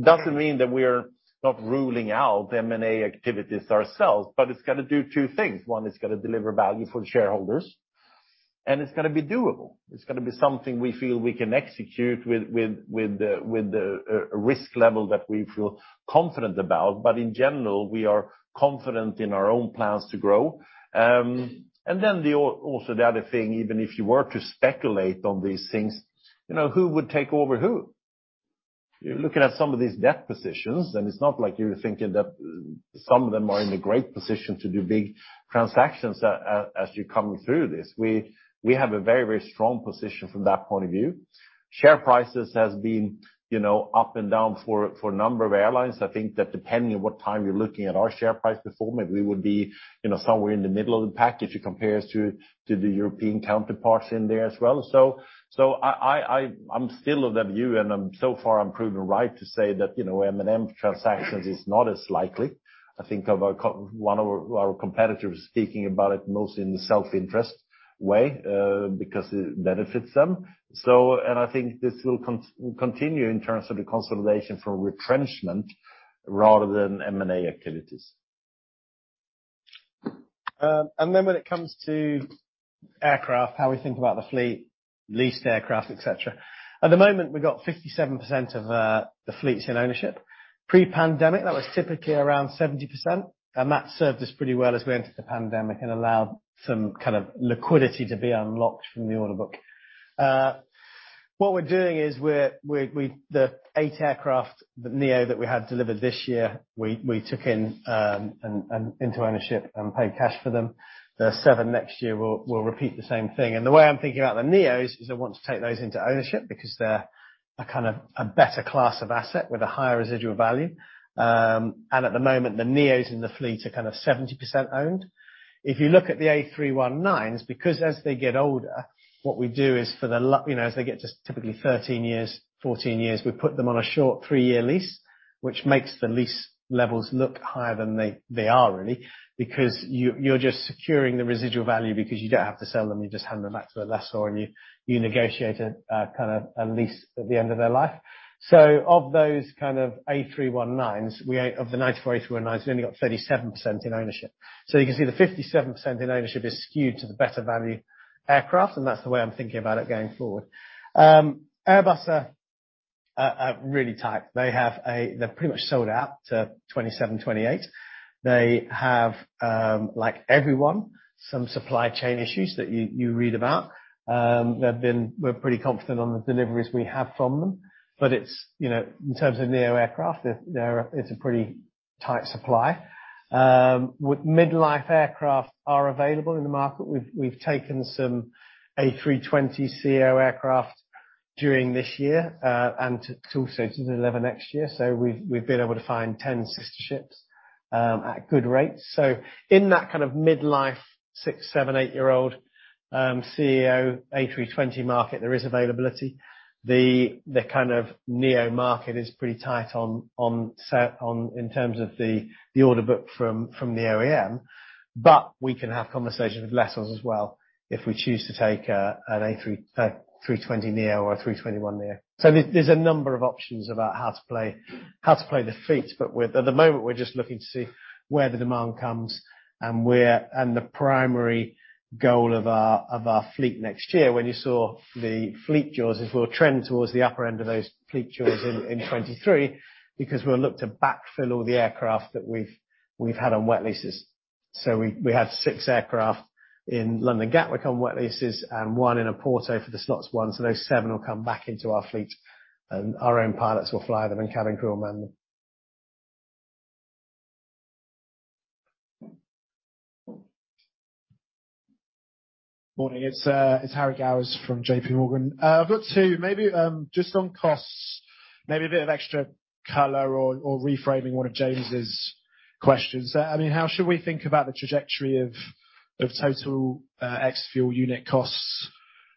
Doesn't mean that we're not ruling out M&A activities ourselves, but it's gotta do two things. One, it's gotta deliver value for the shareholders, and it's gotta be doable. It's gotta be something we feel we can execute with the, a risk level that we feel confident about. In general, we are confident in our own plans to grow. Also the other thing, even if you were to speculate on these things, you know, who would take over who? You're looking at some of these debt positions, and it's not like you're thinking that some of them are in a great position to do big transactions as you're coming through this. We have a very strong position from that point of view. Share prices has been, you know, up and down for a number of airlines. I think that depending on what time you're looking at our share price before, maybe we would be, you know, somewhere in the middle of the package. It compares to the European counterparts in there as well. I'm still of that view, and I'm so far I'm proven right to say that, you know, M&A transactions is not as likely. I think of one of our competitors speaking about it mostly in the self-interest way because it benefits them. I think this will continue in terms of the consolidation for retrenchment rather than M&A activities. Then when it comes to aircraft, how we think about the fleet, leased aircraft, et cetera. At the moment, we've got 57% of the fleets in ownership. Pre-pandemic, that was typically around 70%, and that served us pretty well as we entered the pandemic and allowed some kind of liquidity to be unlocked from the order book. What we're doing is the 8 aircraft, the NEO that we had delivered this year, we took in into ownership and paid cash for them. The 7 next year we'll repeat the same thing. The way I'm thinking about the NEOs is I want to take those into ownership because they're a kind of a better class of asset with a higher residual value. At the moment, the NEOs in the fleet are kind of 70% owned. If you look at the A319s, as they get older, what we do is for the you know, as they get just typically 13 years, 14 years, we put them on a short 3-year lease, which makes the lease levels look higher than they are really. You're just securing the residual value because you don't have to sell them, you just hand them back to the lessor and you negotiate a kinda a lease at the end of their life. Of those kind of A319s, we own, of the 94 A319s, we only got 37% in ownership. You can see the 57% in ownership is skewed to the better value aircraft, and that's the way I'm thinking about it going forward. Airbus, really tight. They're pretty much sold out to 2027, 2028. They have, like everyone, some supply chain issues that you read about. We're pretty confident on the deliveries we have from them. It's, you know, in terms of NEO aircraft, it's a pretty tight supply. Mid-life aircraft are available in the market. We've taken some A320 CEO aircraft during this year, and also to deliver next year. We've been able to find 10 sister ships at good rates. In that kind of mid-life, 6, 7, 8-year-old, CEO A320 market, there is availability. The kind of NEO market is pretty tight on, in terms of the order book from the OEM. We can have conversations with lessors as well if we choose to take an A320neo or an A321neo. There's a number of options about how to play the fleet. With, at the moment, we're just looking to see where the demand comes and where and the primary goal of our fleet next year. When you saw the fleet jaws, is we'll trend towards the upper end of those fleet jaws in 2023, because we'll look to backfill all the aircraft that we've had on wet leases. We have 6 aircraft in London Gatwick on wet leases and 1 in Oporto for the slots 1. Those 7 will come back into our fleet, and our own pilots will fly them and cabin crew will man them. Morning. It's Harry Gowers from J.P. Morgan. I've got two. Maybe, just on costs, maybe a bit of extra color or reframing one of James' questions. I mean, how should we think about the trajectory of total ex-fuel unit costs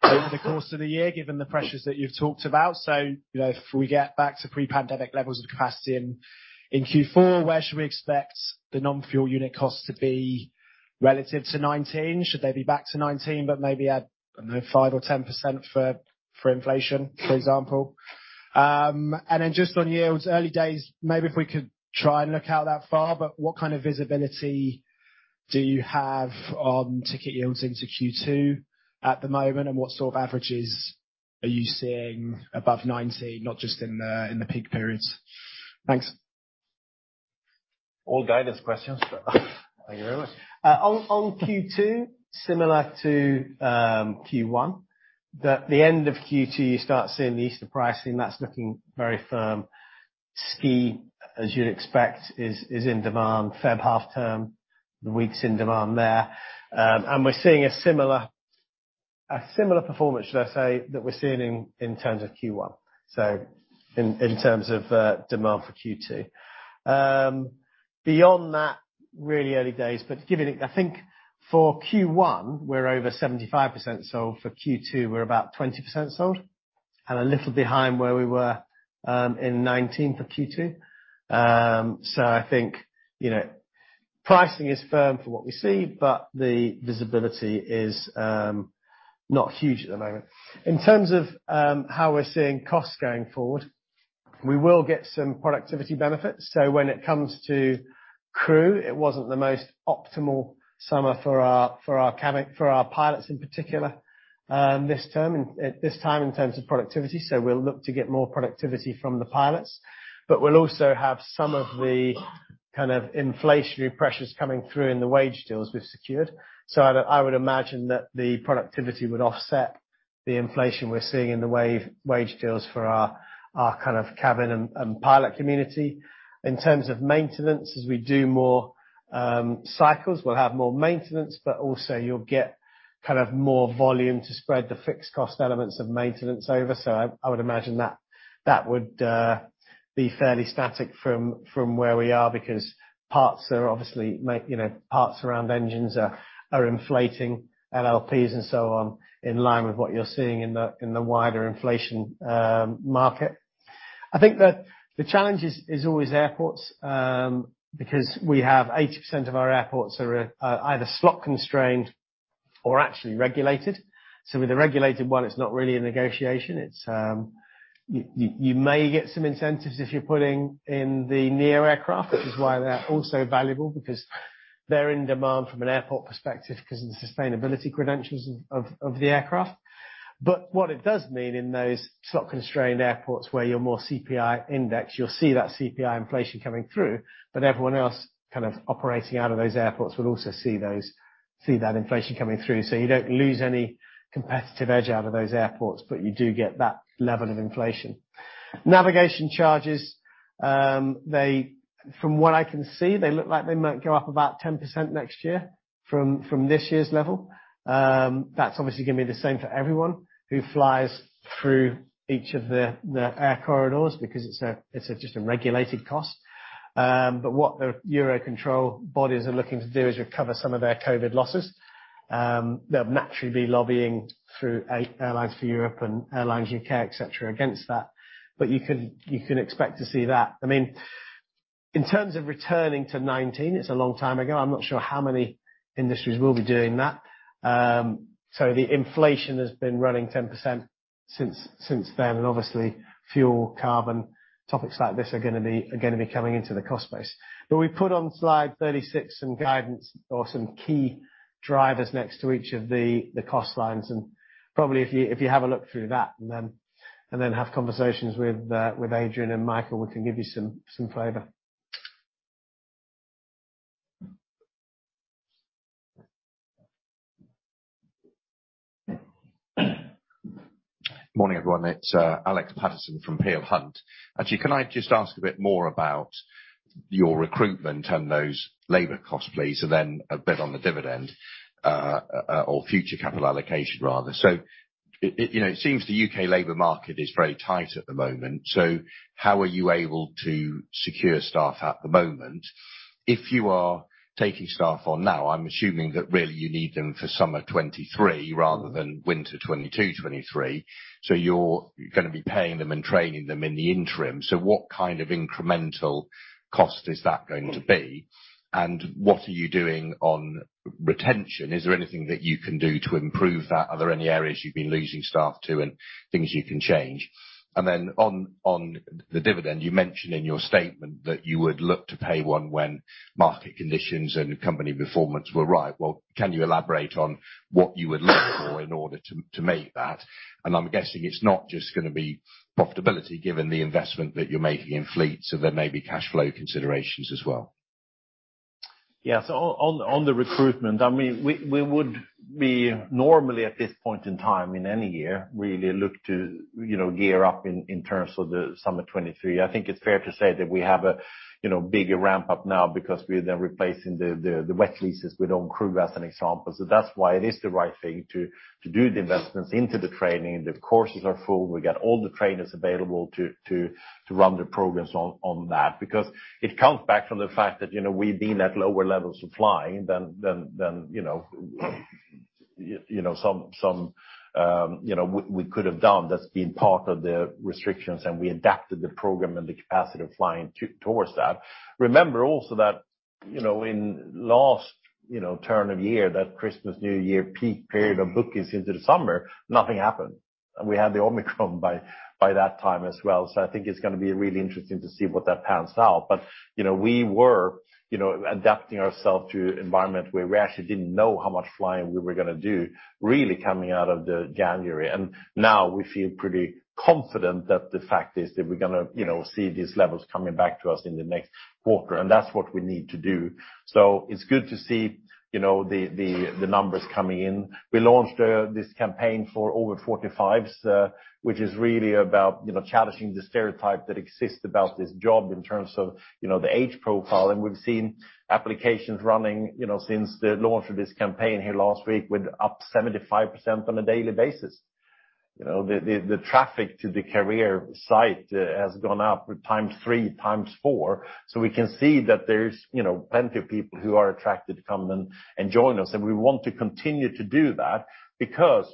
over the course of the year, given the pressures that you've talked about? You know, if we get back to pre-pandemic levels of capacity in Q4, where should we expect the non-fuel unit costs to be relative to 2019? Should they be back to 2019, but maybe at, I don't know, 5% or 10% for inflation, for example? Then just on yields, early days, maybe if we could try and look out that far, but what kind of visibility do you have on ticket yields into Q2 at the moment? What sort of averages are you seeing above 2019, not just in the, in the peak periods? Thanks. All guidance questions. Thank you very much. On Q2, similar to Q1, the end of Q2, you start seeing the Easter pricing that's looking very firm. Ski, as you'd expect, is in demand. Feb half term, the week's in demand there. We're seeing a similar performance, should I say, that we're seeing in terms of Q1. In terms of demand for Q2. Beyond that, really early days, given it, I think for Q1, we're over 75% sold. For Q2, we're about 20% sold, a little behind where we were in 2019 for Q2. I think, you know, pricing is firm for what we see, the visibility is not huge at the moment. In terms of how we're seeing costs going forward, we will get some productivity benefits. When it comes to crew, it wasn't the most optimal summer for our pilots in particular, this term, at this time in terms of productivity, so we'll look to get more productivity from the pilots. We'll also have some of the, kind of, inflationary pressures coming through in the wage deals we've secured. I would, I would imagine that the productivity would offset the inflation we're seeing in the wage deals for our kind of cabin and pilot community. In terms of maintenance, as we do more cycles, we'll have more maintenance, but also you'll get kind of more volume to spread the fixed cost elements of maintenance over. I would imagine that that would be fairly static from where we are because parts are obviously you know, parts around engines are inflating LLPs and so on, in line with what you're seeing in the, in the wider inflation market. I think the challenge is always airports. Because we have 80% of our airports are either slot constrained or actually regulated. With a regulated one, it's not really a negotiation. It's, you, you may get some incentives if you're putting in the NEO aircraft, which is why they're also valuable because they're in demand from an airport perspective 'cause of the sustainability credentials of, of the aircraft. What it does mean in those slot-constrained airports where you're more CPI indexed, you'll see that CPI inflation coming through, but everyone else kind of operating out of those airports will also see that inflation coming through. You don't lose any competitive edge out of those airports, but you do get that level of inflation. Navigation charges, they look like they might go up about 10% next year from this year's level. That's obviously gonna be the same for everyone who flies through each of the air corridors because it's just a regulated cost. What the EUROCONTROL bodies are looking to do is recover some of their COVID losses. They'll naturally be lobbying through Airlines for Europe and Airlines UK, et cetera, against that. You could expect to see that. I mean, in terms of returning to 2019, it's a long time ago. I'm not sure how many industries will be doing that. The inflation has been running 10% since then, and obviously fuel, carbon, topics like this are gonna be coming into the cost base. We put on slide 36 some guidance or some key drivers next to each of the cost lines. Probably if you, if you have a look through that and then, and then have conversations with Adrian and Michael, we can give you some flavor. Morning, everyone. It's Alex Paterson from Peel Hunt. Actually, can I just ask a bit more about your recruitment and those labor costs, please? Then a bit on the dividend, or future capital allocation rather. It, you know, it seems the UK labor market is very tight at the moment, how are you able to secure staff at the moment? If you are taking staff on now, I'm assuming that really you need them for summer 2023 rather than winter 2022-2023, you're gonna be paying them and training them in the interim, what kind of incremental cost is that going to be? What are you doing on retention? Is there anything that you can do to improve that? Are there any areas you've been losing staff to and things you can change? Then on the dividend, you mentioned in your statement that you would look to pay one when market conditions and company performance were right. Well, can you elaborate on what you would look for in order to make that? I'm guessing it's not just gonna be profitability, given the investment that you're making in fleet, so there may be cashflow considerations as well. Yeah. On the recruitment, I mean, we would be normally at this point in time in any year, really look to, you know, gear up in terms of the summer 2023. I think it's fair to say that we have a, you know, bigger ramp up now because we're then replacing the wet leases with own crew as an example. That's why it is the right thing to do the investments into the training. The courses are full. We got all the trainers available to run the programs on that. It comes back from the fact that, you know, we've been at lower levels of flying than, you know, you know, some, you know, we could have done. That's been part of the restrictions, and we adapted the program and the capacity of flying towards that. Remember also that, you know, in last, you know, turn of year, that Christmas, New Year peak period of bookings into the summer, nothing happened. We had the Omicron by that time as well. I think it's gonna be really interesting to see what that pans out. You know, we were, you know, adapting ourself to environment where we actually didn't know how much flying we were gonna do really coming out of the January. Now we feel pretty confident that the fact is that we're gonna, you know, see these levels coming back to us in the next quarter, and that's what we need to do. It's good to see, you know, the numbers coming in. We launched this campaign for over 45s, which is really about, you know, challenging the stereotype that exists about this job in terms of, you know, the age profile, and we've seen applications running, you know, since the launch of this campaign here last week with up 75% on a daily basis. You know, the traffic to the career site has gone up with 3 times, 4 times. We can see that there's, you know, plenty of people who are attracted to come and join us, and we want to continue to do that because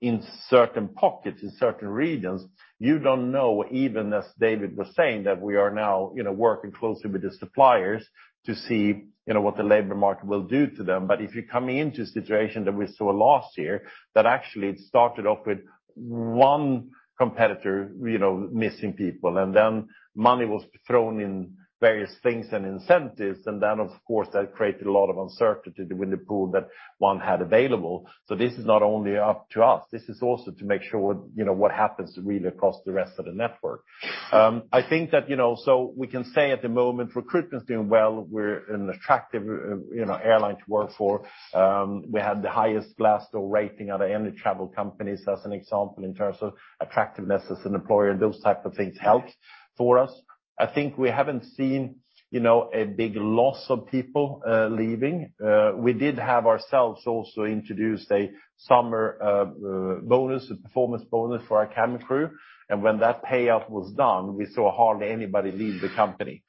in certain pockets, in certain regions, you don't know, even as David was saying, that we are now, you know, working closely with the suppliers to see, you know, what the labor market will do to them. If you're coming into a situation that we saw last year, that actually it started off with one competitor, you know, missing people, and then money was thrown in various things and incentives, and then, of course, that created a lot of uncertainty with the pool that one had available. This is not only up to us, this is also to make sure, you know, what happens really across the rest of the network. I think that, you know, so we can say at the moment recruitment's doing well. We're an attractive, you know, airline to work for. We had the highest Glassdoor rating out of any travel companies, as an example, in terms of attractiveness as an employer. Those type of things helps for us. I think we haven't seen, you know, a big loss of people leaving. We did have ourselves also introduce a summer, a bonus, a performance bonus for our cabin crew, and when that payout was done, we saw hardly anybody leave the company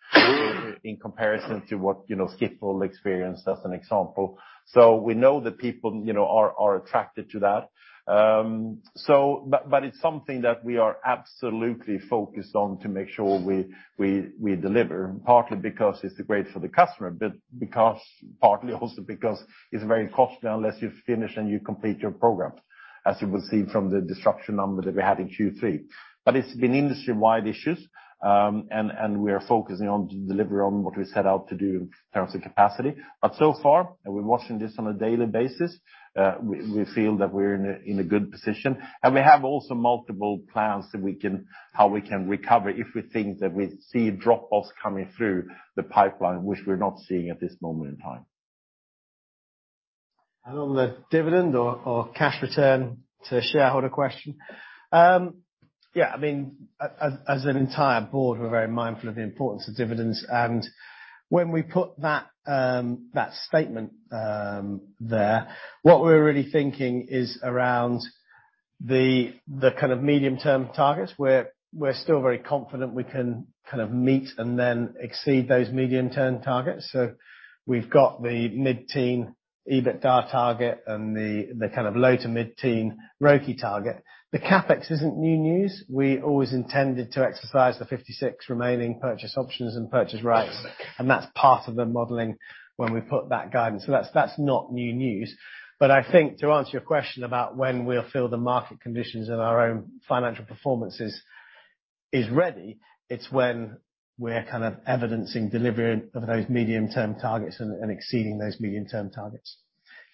in comparison to what, you know, Schiphol experienced, as an example. We know that people, you know, are attracted to that. But it's something that we are absolutely focused on to make sure we deliver, partly because it's great for the customer, but because, partly also because it's very costly unless you finish and you complete your program, as you will see from the disruption number that we had in Q3. It's been industry-wide issues, and we are focusing on delivery on what we set out to do in terms of capacity. So far, and we're watching this on a daily basis, we feel that we're in a good position. We have also multiple plans that we can, how we can recover if we think that we see drop-offs coming through the pipeline, which we're not seeing at this moment in time. On the dividend or cash return to shareholder question. Yeah, I mean, as an entire board, we're very mindful of the importance of dividends. When we put that statement there, what we're really thinking is around the kind of medium term targets. We're still very confident we can kind of meet and then exceed those medium-term targets. We've got the mid-teen EBITDA target and the kind of low to mid-teen ROIC target. The CapEx isn't new news. We always intended to exercise the 56 remaining purchase options and purchase rights, and that's part of the modeling when we put that guidance. That's not new news. I think to answer your question about when we'll feel the market conditions and our own financial performance is ready, it's when we're kind of evidencing delivery of those medium-term targets and exceeding those medium-term targets.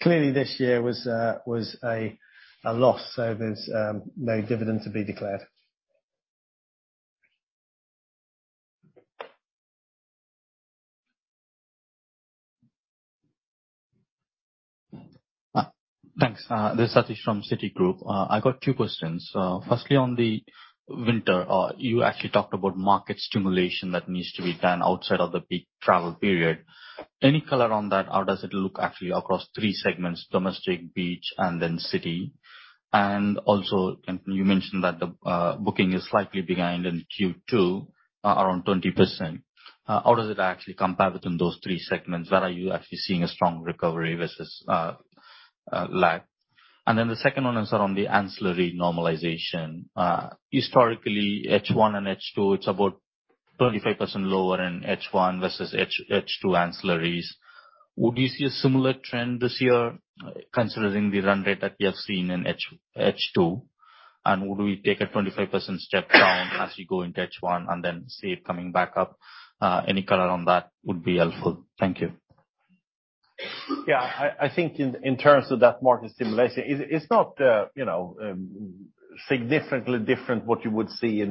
Clearly, this year was a loss, so there's no dividend to be declared. Thanks. This is Sathish from Citigroup. I got 2 questions. Firstly, on the winter, you actually talked about market stimulation that needs to be done outside of the peak travel period. Any color on that, or does it look actually across three segments, domestic, beach, and then city? You mentioned that the booking is slightly behind in Q2, around 20%. How does it actually compare within those three segments? Where are you actually seeing a strong recovery versus lag? The second one is around the ancillary normalization. Historically, H1 and H2, it's about 25% lower in H1 versus H2 ancillaries. Would you see a similar trend this year, considering the run rate that we have seen in H2? Would we take a 25% step down as we go into H1 and then see it coming back up? Any color on that would be helpful. Thank you. Yeah. I think in terms of that market stimulation, it's not, you know, significantly different what you would see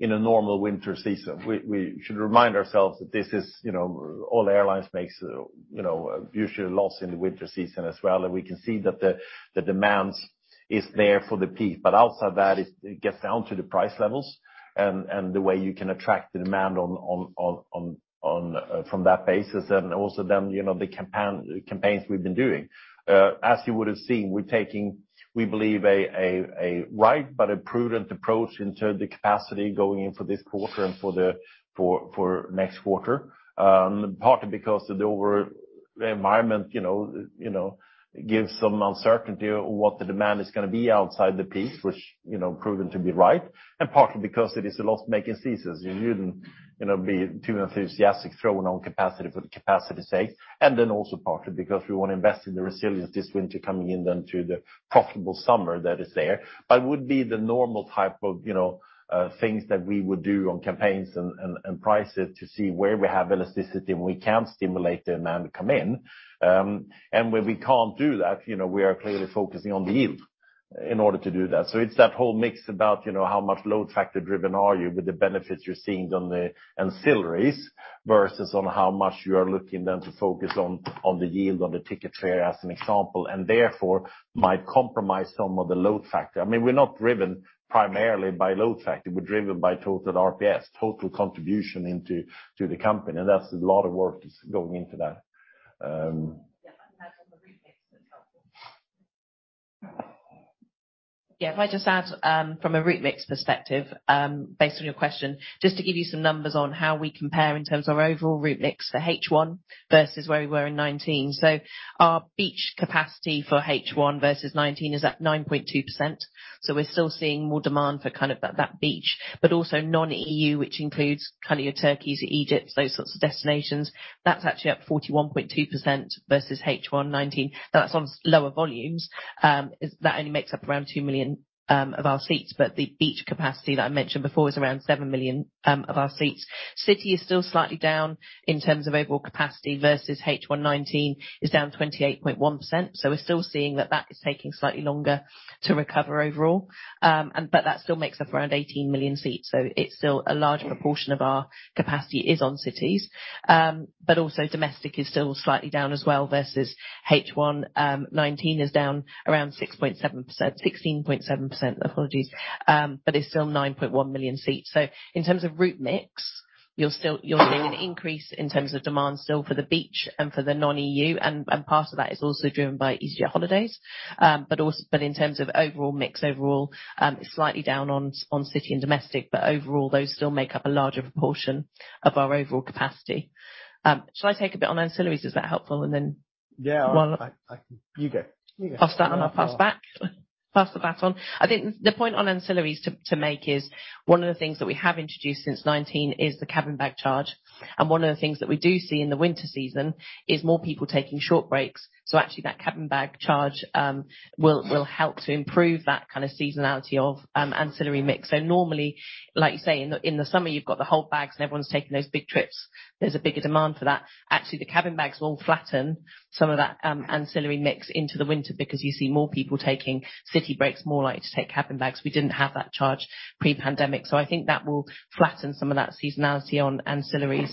in a normal winter season. We should remind ourselves that this is, you know, all airlines makes, you know, usually a loss in the winter season as well. We can see that the demands is there for the peak. But outside that, it gets down to the price levels and the way you can attract the demand on from that basis. Also then, you know, the campaigns we've been doing. As you would have seen, we're taking, we believe, a right but a prudent approach in terms of the capacity going in for this quarter and for the next quarter. Partly because of the over... the environment, you know, gives some uncertainty on what the demand is gonna be outside the peak, which, you know, proven to be right. Partly because it is a loss-making season. You shouldn't, you know, be too enthusiastic throwing on capacity for the capacity's sake. Then also partly because we wanna invest in the resilience this winter coming in then to the profitable summer that is there. It would be the normal type of, you know, things that we would do on campaigns and, and prices to see where we have elasticity and we can stimulate demand to come in. Where we can't do that, you know, we are clearly focusing on the yield in order to do that. It's that whole mix about, you know, how much load factor driven are you with the benefits you're seeing on the ancillaries versus on how much you are looking then to focus on the yield on the ticket fare, as an example, and therefore might compromise some of the load factor. I mean, we're not driven primarily by load factor. We're driven by total RPS, total contribution into the company, and that's a lot of work that's going into that. Yeah. Add on the route mix, if it's helpful. Yeah. If I just add, from a route mix perspective, based on your question, just to give you some numbers on how we compare in terms of our overall route mix for H1 versus where we were in 2019. Our beach capacity for H1 versus 2019 is at 9.2%. We're still seeing more demand for kind of that beach. Also non-EU, which includes kind of your Turkeys, your Egypts, those sorts of destinations, that's actually up 41.2% versus H1 2019. That's on lower volumes. That only makes up around 2 million of our seats. The beach capacity that I mentioned before is around 7 million of our seats. City is still slightly down in terms of overall capacity versus H1 2019, is down 28.1%. We're still seeing that that is taking slightly longer to recover overall. That still makes up around 18 million seats. It's still a large proportion of our capacity is on cities. Domestic is still slightly down as well versus H1. 2019 is down around 6.7%... 16.7%. Apologies. It's still 9.1 million seats. In terms of route mix, you'll still you'll see an increase in terms of demand still for the beach and for the non-EU, and part of that is also driven by easyJet Holidays.... In terms of overall mix, it's slightly down on city and domestic, but overall, those still make up a larger proportion of our overall capacity. Shall I take a bit on ancillaries? Is that helpful? Yeah. Well. You go. You go. Pass that on or pass back. Pass the bat on. I think the point on ancillaries to make is one of the things that we have introduced since 2019 is the cabin bag charge. One of the things that we do see in the winter season is more people taking short breaks. Actually that cabin bag charge, will help to improve that kinda seasonality of ancillary mix. Normally, like you say, in the summer, you've got the hold bags and everyone's taking those big trips. There's a bigger demand for that. Actually, the cabin bags will flatten some of that ancillary mix into the winter because you see more people taking city breaks, more likely to take cabin bags. We didn't have that charge pre-pandemic. I think that will flatten some of that seasonality on ancillaries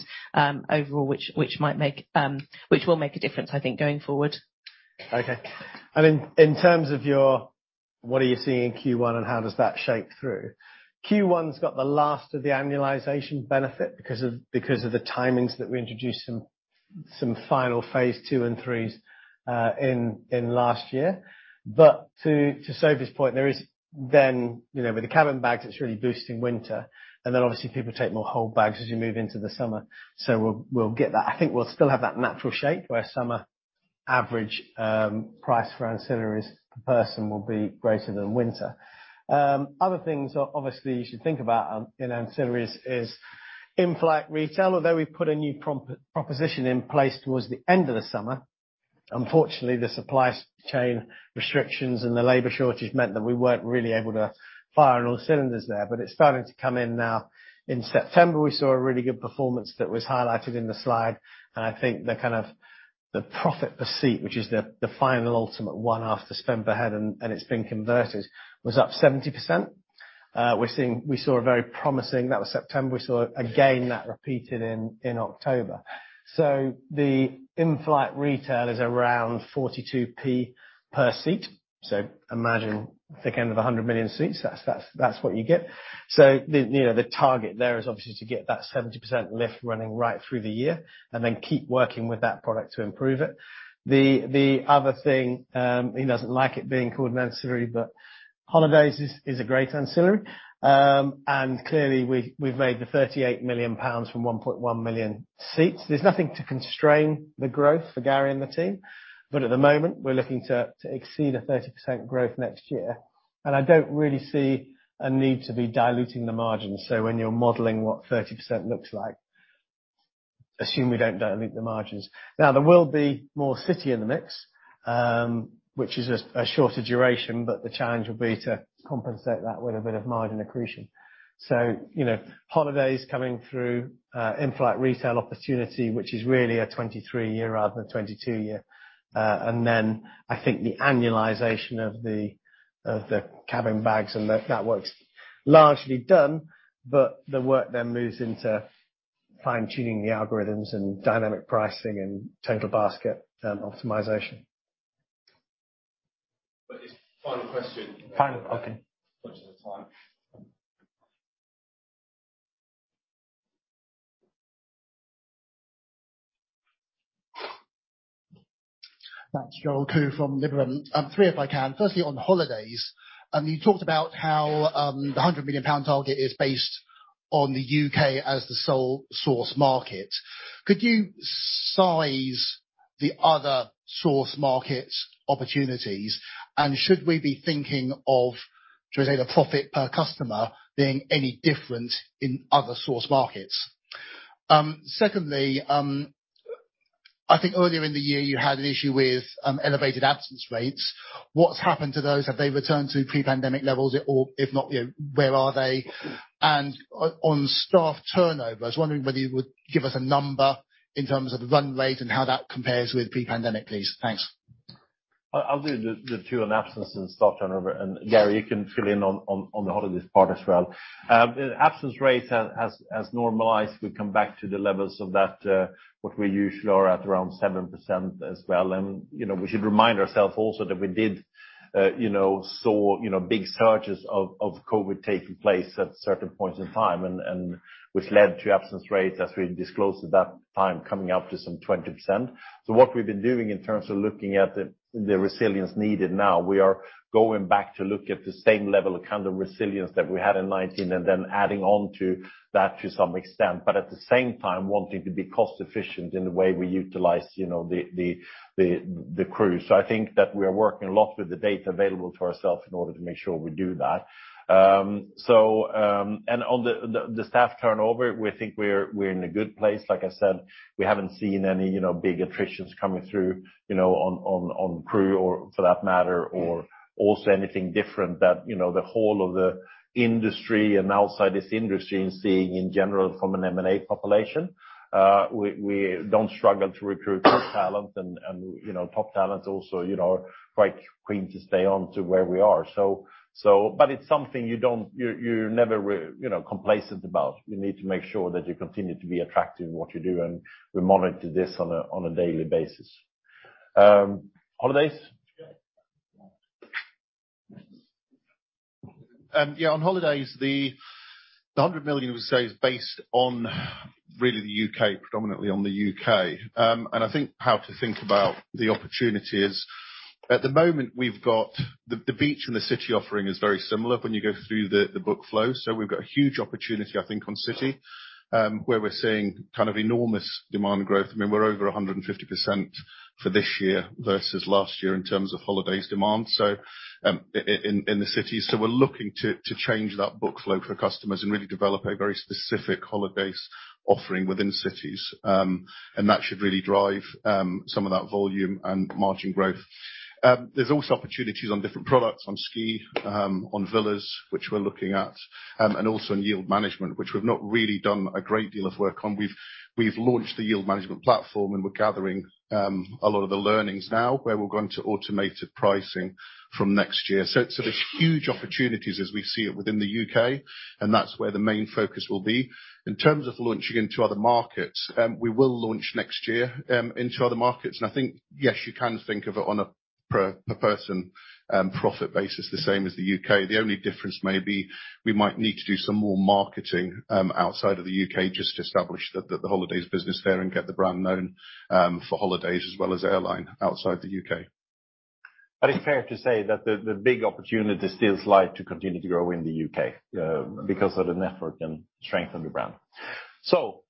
overall, which will make a difference, I think, going forward. Okay. I mean, what are you seeing in Q1 and how does that shape through, Q1's got the last of the annualization benefit because of the timings that we introduced some final phase two and threes in last year. To Sophie's point, there is then, you know, with the cabin bags, it's really boosting winter. Then obviously people take more hold bags as you move into the summer. We'll get that. I think we'll still have that natural shape, where summer average price for ancillaries per person will be greater than winter. Other things obviously you should think about in ancillaries is In-Flight Retail. Although we've put a new proposition in place towards the end of the summer. Unfortunately, the supply chain restrictions and the labor shortage meant that we weren't really able to fire on all cylinders there, but it's starting to come in now. In September, we saw a really good performance that was highlighted in the slide, and I think the kind of, the profit per seat, which is the final ultimate one after spend per head and it's been converted, was up 70%. We saw a very promising, that was September. We saw it again, that repeated in October. The In-Flight Retail is around 0.42 per seat. Imagine, think of 100 million seats, that's what you get. You know, the target there is obviously to get that 70% lift running right through the year, and then keep working with that product to improve it. The other thing, he doesn't like it being called ancillary, holidays is a great ancillary. Clearly, we've made the 38 million pounds from 1.1 million seats. There's nothing to constrain the growth for Gary and the team. At the moment, we're looking to exceed a 30% growth next year. I don't really see a need to be diluting the margins. When you're modeling what 30% looks like, assume we don't dilute the margins. Now, there will be more city in the mix, which is a shorter duration, but the challenge will be to compensate that with a bit of margin accretion. You know, holidays coming through, in-flight resale opportunity, which is really a 2023 year rather than 2022 year. I think the annualization of the, of the cabin bags that work's largely done, the work then moves into fine-tuning the algorithms and dynamic pricing and total basket optimization. It's final question. Final. Okay. Because of the time. Thanks. Gerald Khoo from Liberum. Three, if I can. Firstly, on holidays, you talked about how the 100 million pound target is based on the UK as the sole source market. Could you size the other source markets opportunities? Should we be thinking of, shall we say, the profit per customer being any different in other source markets? Secondly, I think earlier in the year, you had an issue with elevated absence rates. What's happened to those? Have they returned to pre-pandemic levels at all? If not, you know, where are they? On staff turnover, I was wondering whether you would give us a number in terms of the run rate and how that compares with pre-pandemic, please. Thanks. I'll do the two on absence and staff turnover, and Gary, you can fill in on the holidays part as well. Absence rate has normalized. We've come back to the levels of that what we usually are at, around 7% as well. You know, we should remind ourselves also that we did, you know, saw, you know, big surges of COVID taking place at certain points in time and which led to absence rates as we disclosed at that time, coming up to some 20%. What we've been doing in terms of looking at the resilience needed now, we are going back to look at the same level of kind of resilience that we had in 2019 and then adding on to that to some extent. At the same time, wanting to be cost-efficient in the way we utilize, you know, the crew. I think that we are working a lot with the data available to ourselves in order to make sure we do that. On the staff turnover, we think we're in a good place. Like I said, we haven't seen any, you know, big attritions coming through, you know, on crew or for that matter, or also anything different that, you know, the whole of the industry and outside this industry is seeing in general from an M&A population. We don't struggle to recruit top talent and, you know, top talent also, you know, are quite keen to stay on to where we are. It's something you don't... You're never you know, complacent about. You need to make sure that you continue to be attractive in what you do, and we monitor this on a daily basis. Holidays? Yeah. Yeah. Yeah, on holidays, the 100 million would say is based on really the UK, predominantly on the UK. I think how to think about the opportunity is at the moment, we've got the beach and the city offering is very similar when you go through the book flow. We've got a huge opportunity, I think, on city, where we're seeing kind of enormous demand growth. I mean, we're over 150% for this year versus last year in terms of holidays demand, so in the city. We're looking to change that book flow for customers and really develop a very specific holidays offering within cities. That should really drive some of that volume and margin growth. There's also opportunities on different products, on ski, on villas, which we're looking at, and also in yield management, which we've not really done a great deal of work on. We've launched the yield management platform, and we're gathering a lot of the learnings now where we're going to automated pricing from next year. There's huge opportunities as we see it within the UK, and that's where the main focus will be. In terms of launching into other markets, we will launch next year into other markets. I think, yes, you can think of it on a per person profit basis, the same as the UK. The only difference may be we might need to do some more marketing outside of the U.K. just to establish the holidays business there and get the brand known for holidays as well as airline outside the U.K. It's fair to say that the big opportunity still lies to continue to grow in the UK, because of the network and strength of the brand.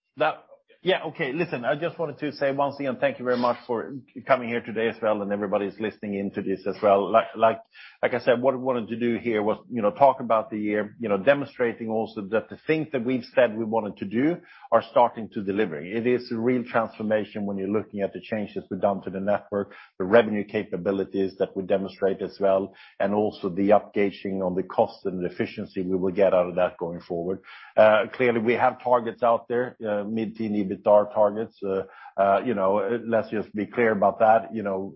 Okay. Yeah. Okay. Listen, I just wanted to say once again, thank you very much for coming here today as well, and everybody's listening in to this as well. Like I said, what I wanted to do here was, you know, talk about the year, you know, demonstrating also that the things that we've said we wanted to do are starting to deliver. It is a real transformation when you're looking at the changes we've done to the network, the revenue capabilities that we demonstrate as well, and also the upgauging on the cost and efficiency we will get out of that going forward. Clearly we have targets out there, mid-teen EBITDAR targets. You know, let's just be clear about that. You know,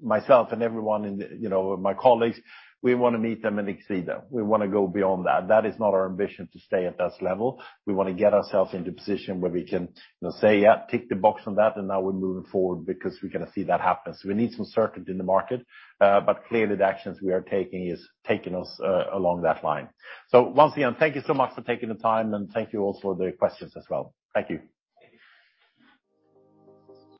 myself and everyone in the, you know, my colleagues, we wanna meet them and exceed them. We wanna go beyond that. That is not our ambition to stay at this level. We wanna get ourselves into a position where we can say, "Yeah, tick the box on that, now we're moving forward because we're gonna see that happen." We need some circuit in the market, clearly the actions we are taking is taking us along that line. Once again, thank you so much for taking the time, thank you also for the questions as well. Thank you. Thank you.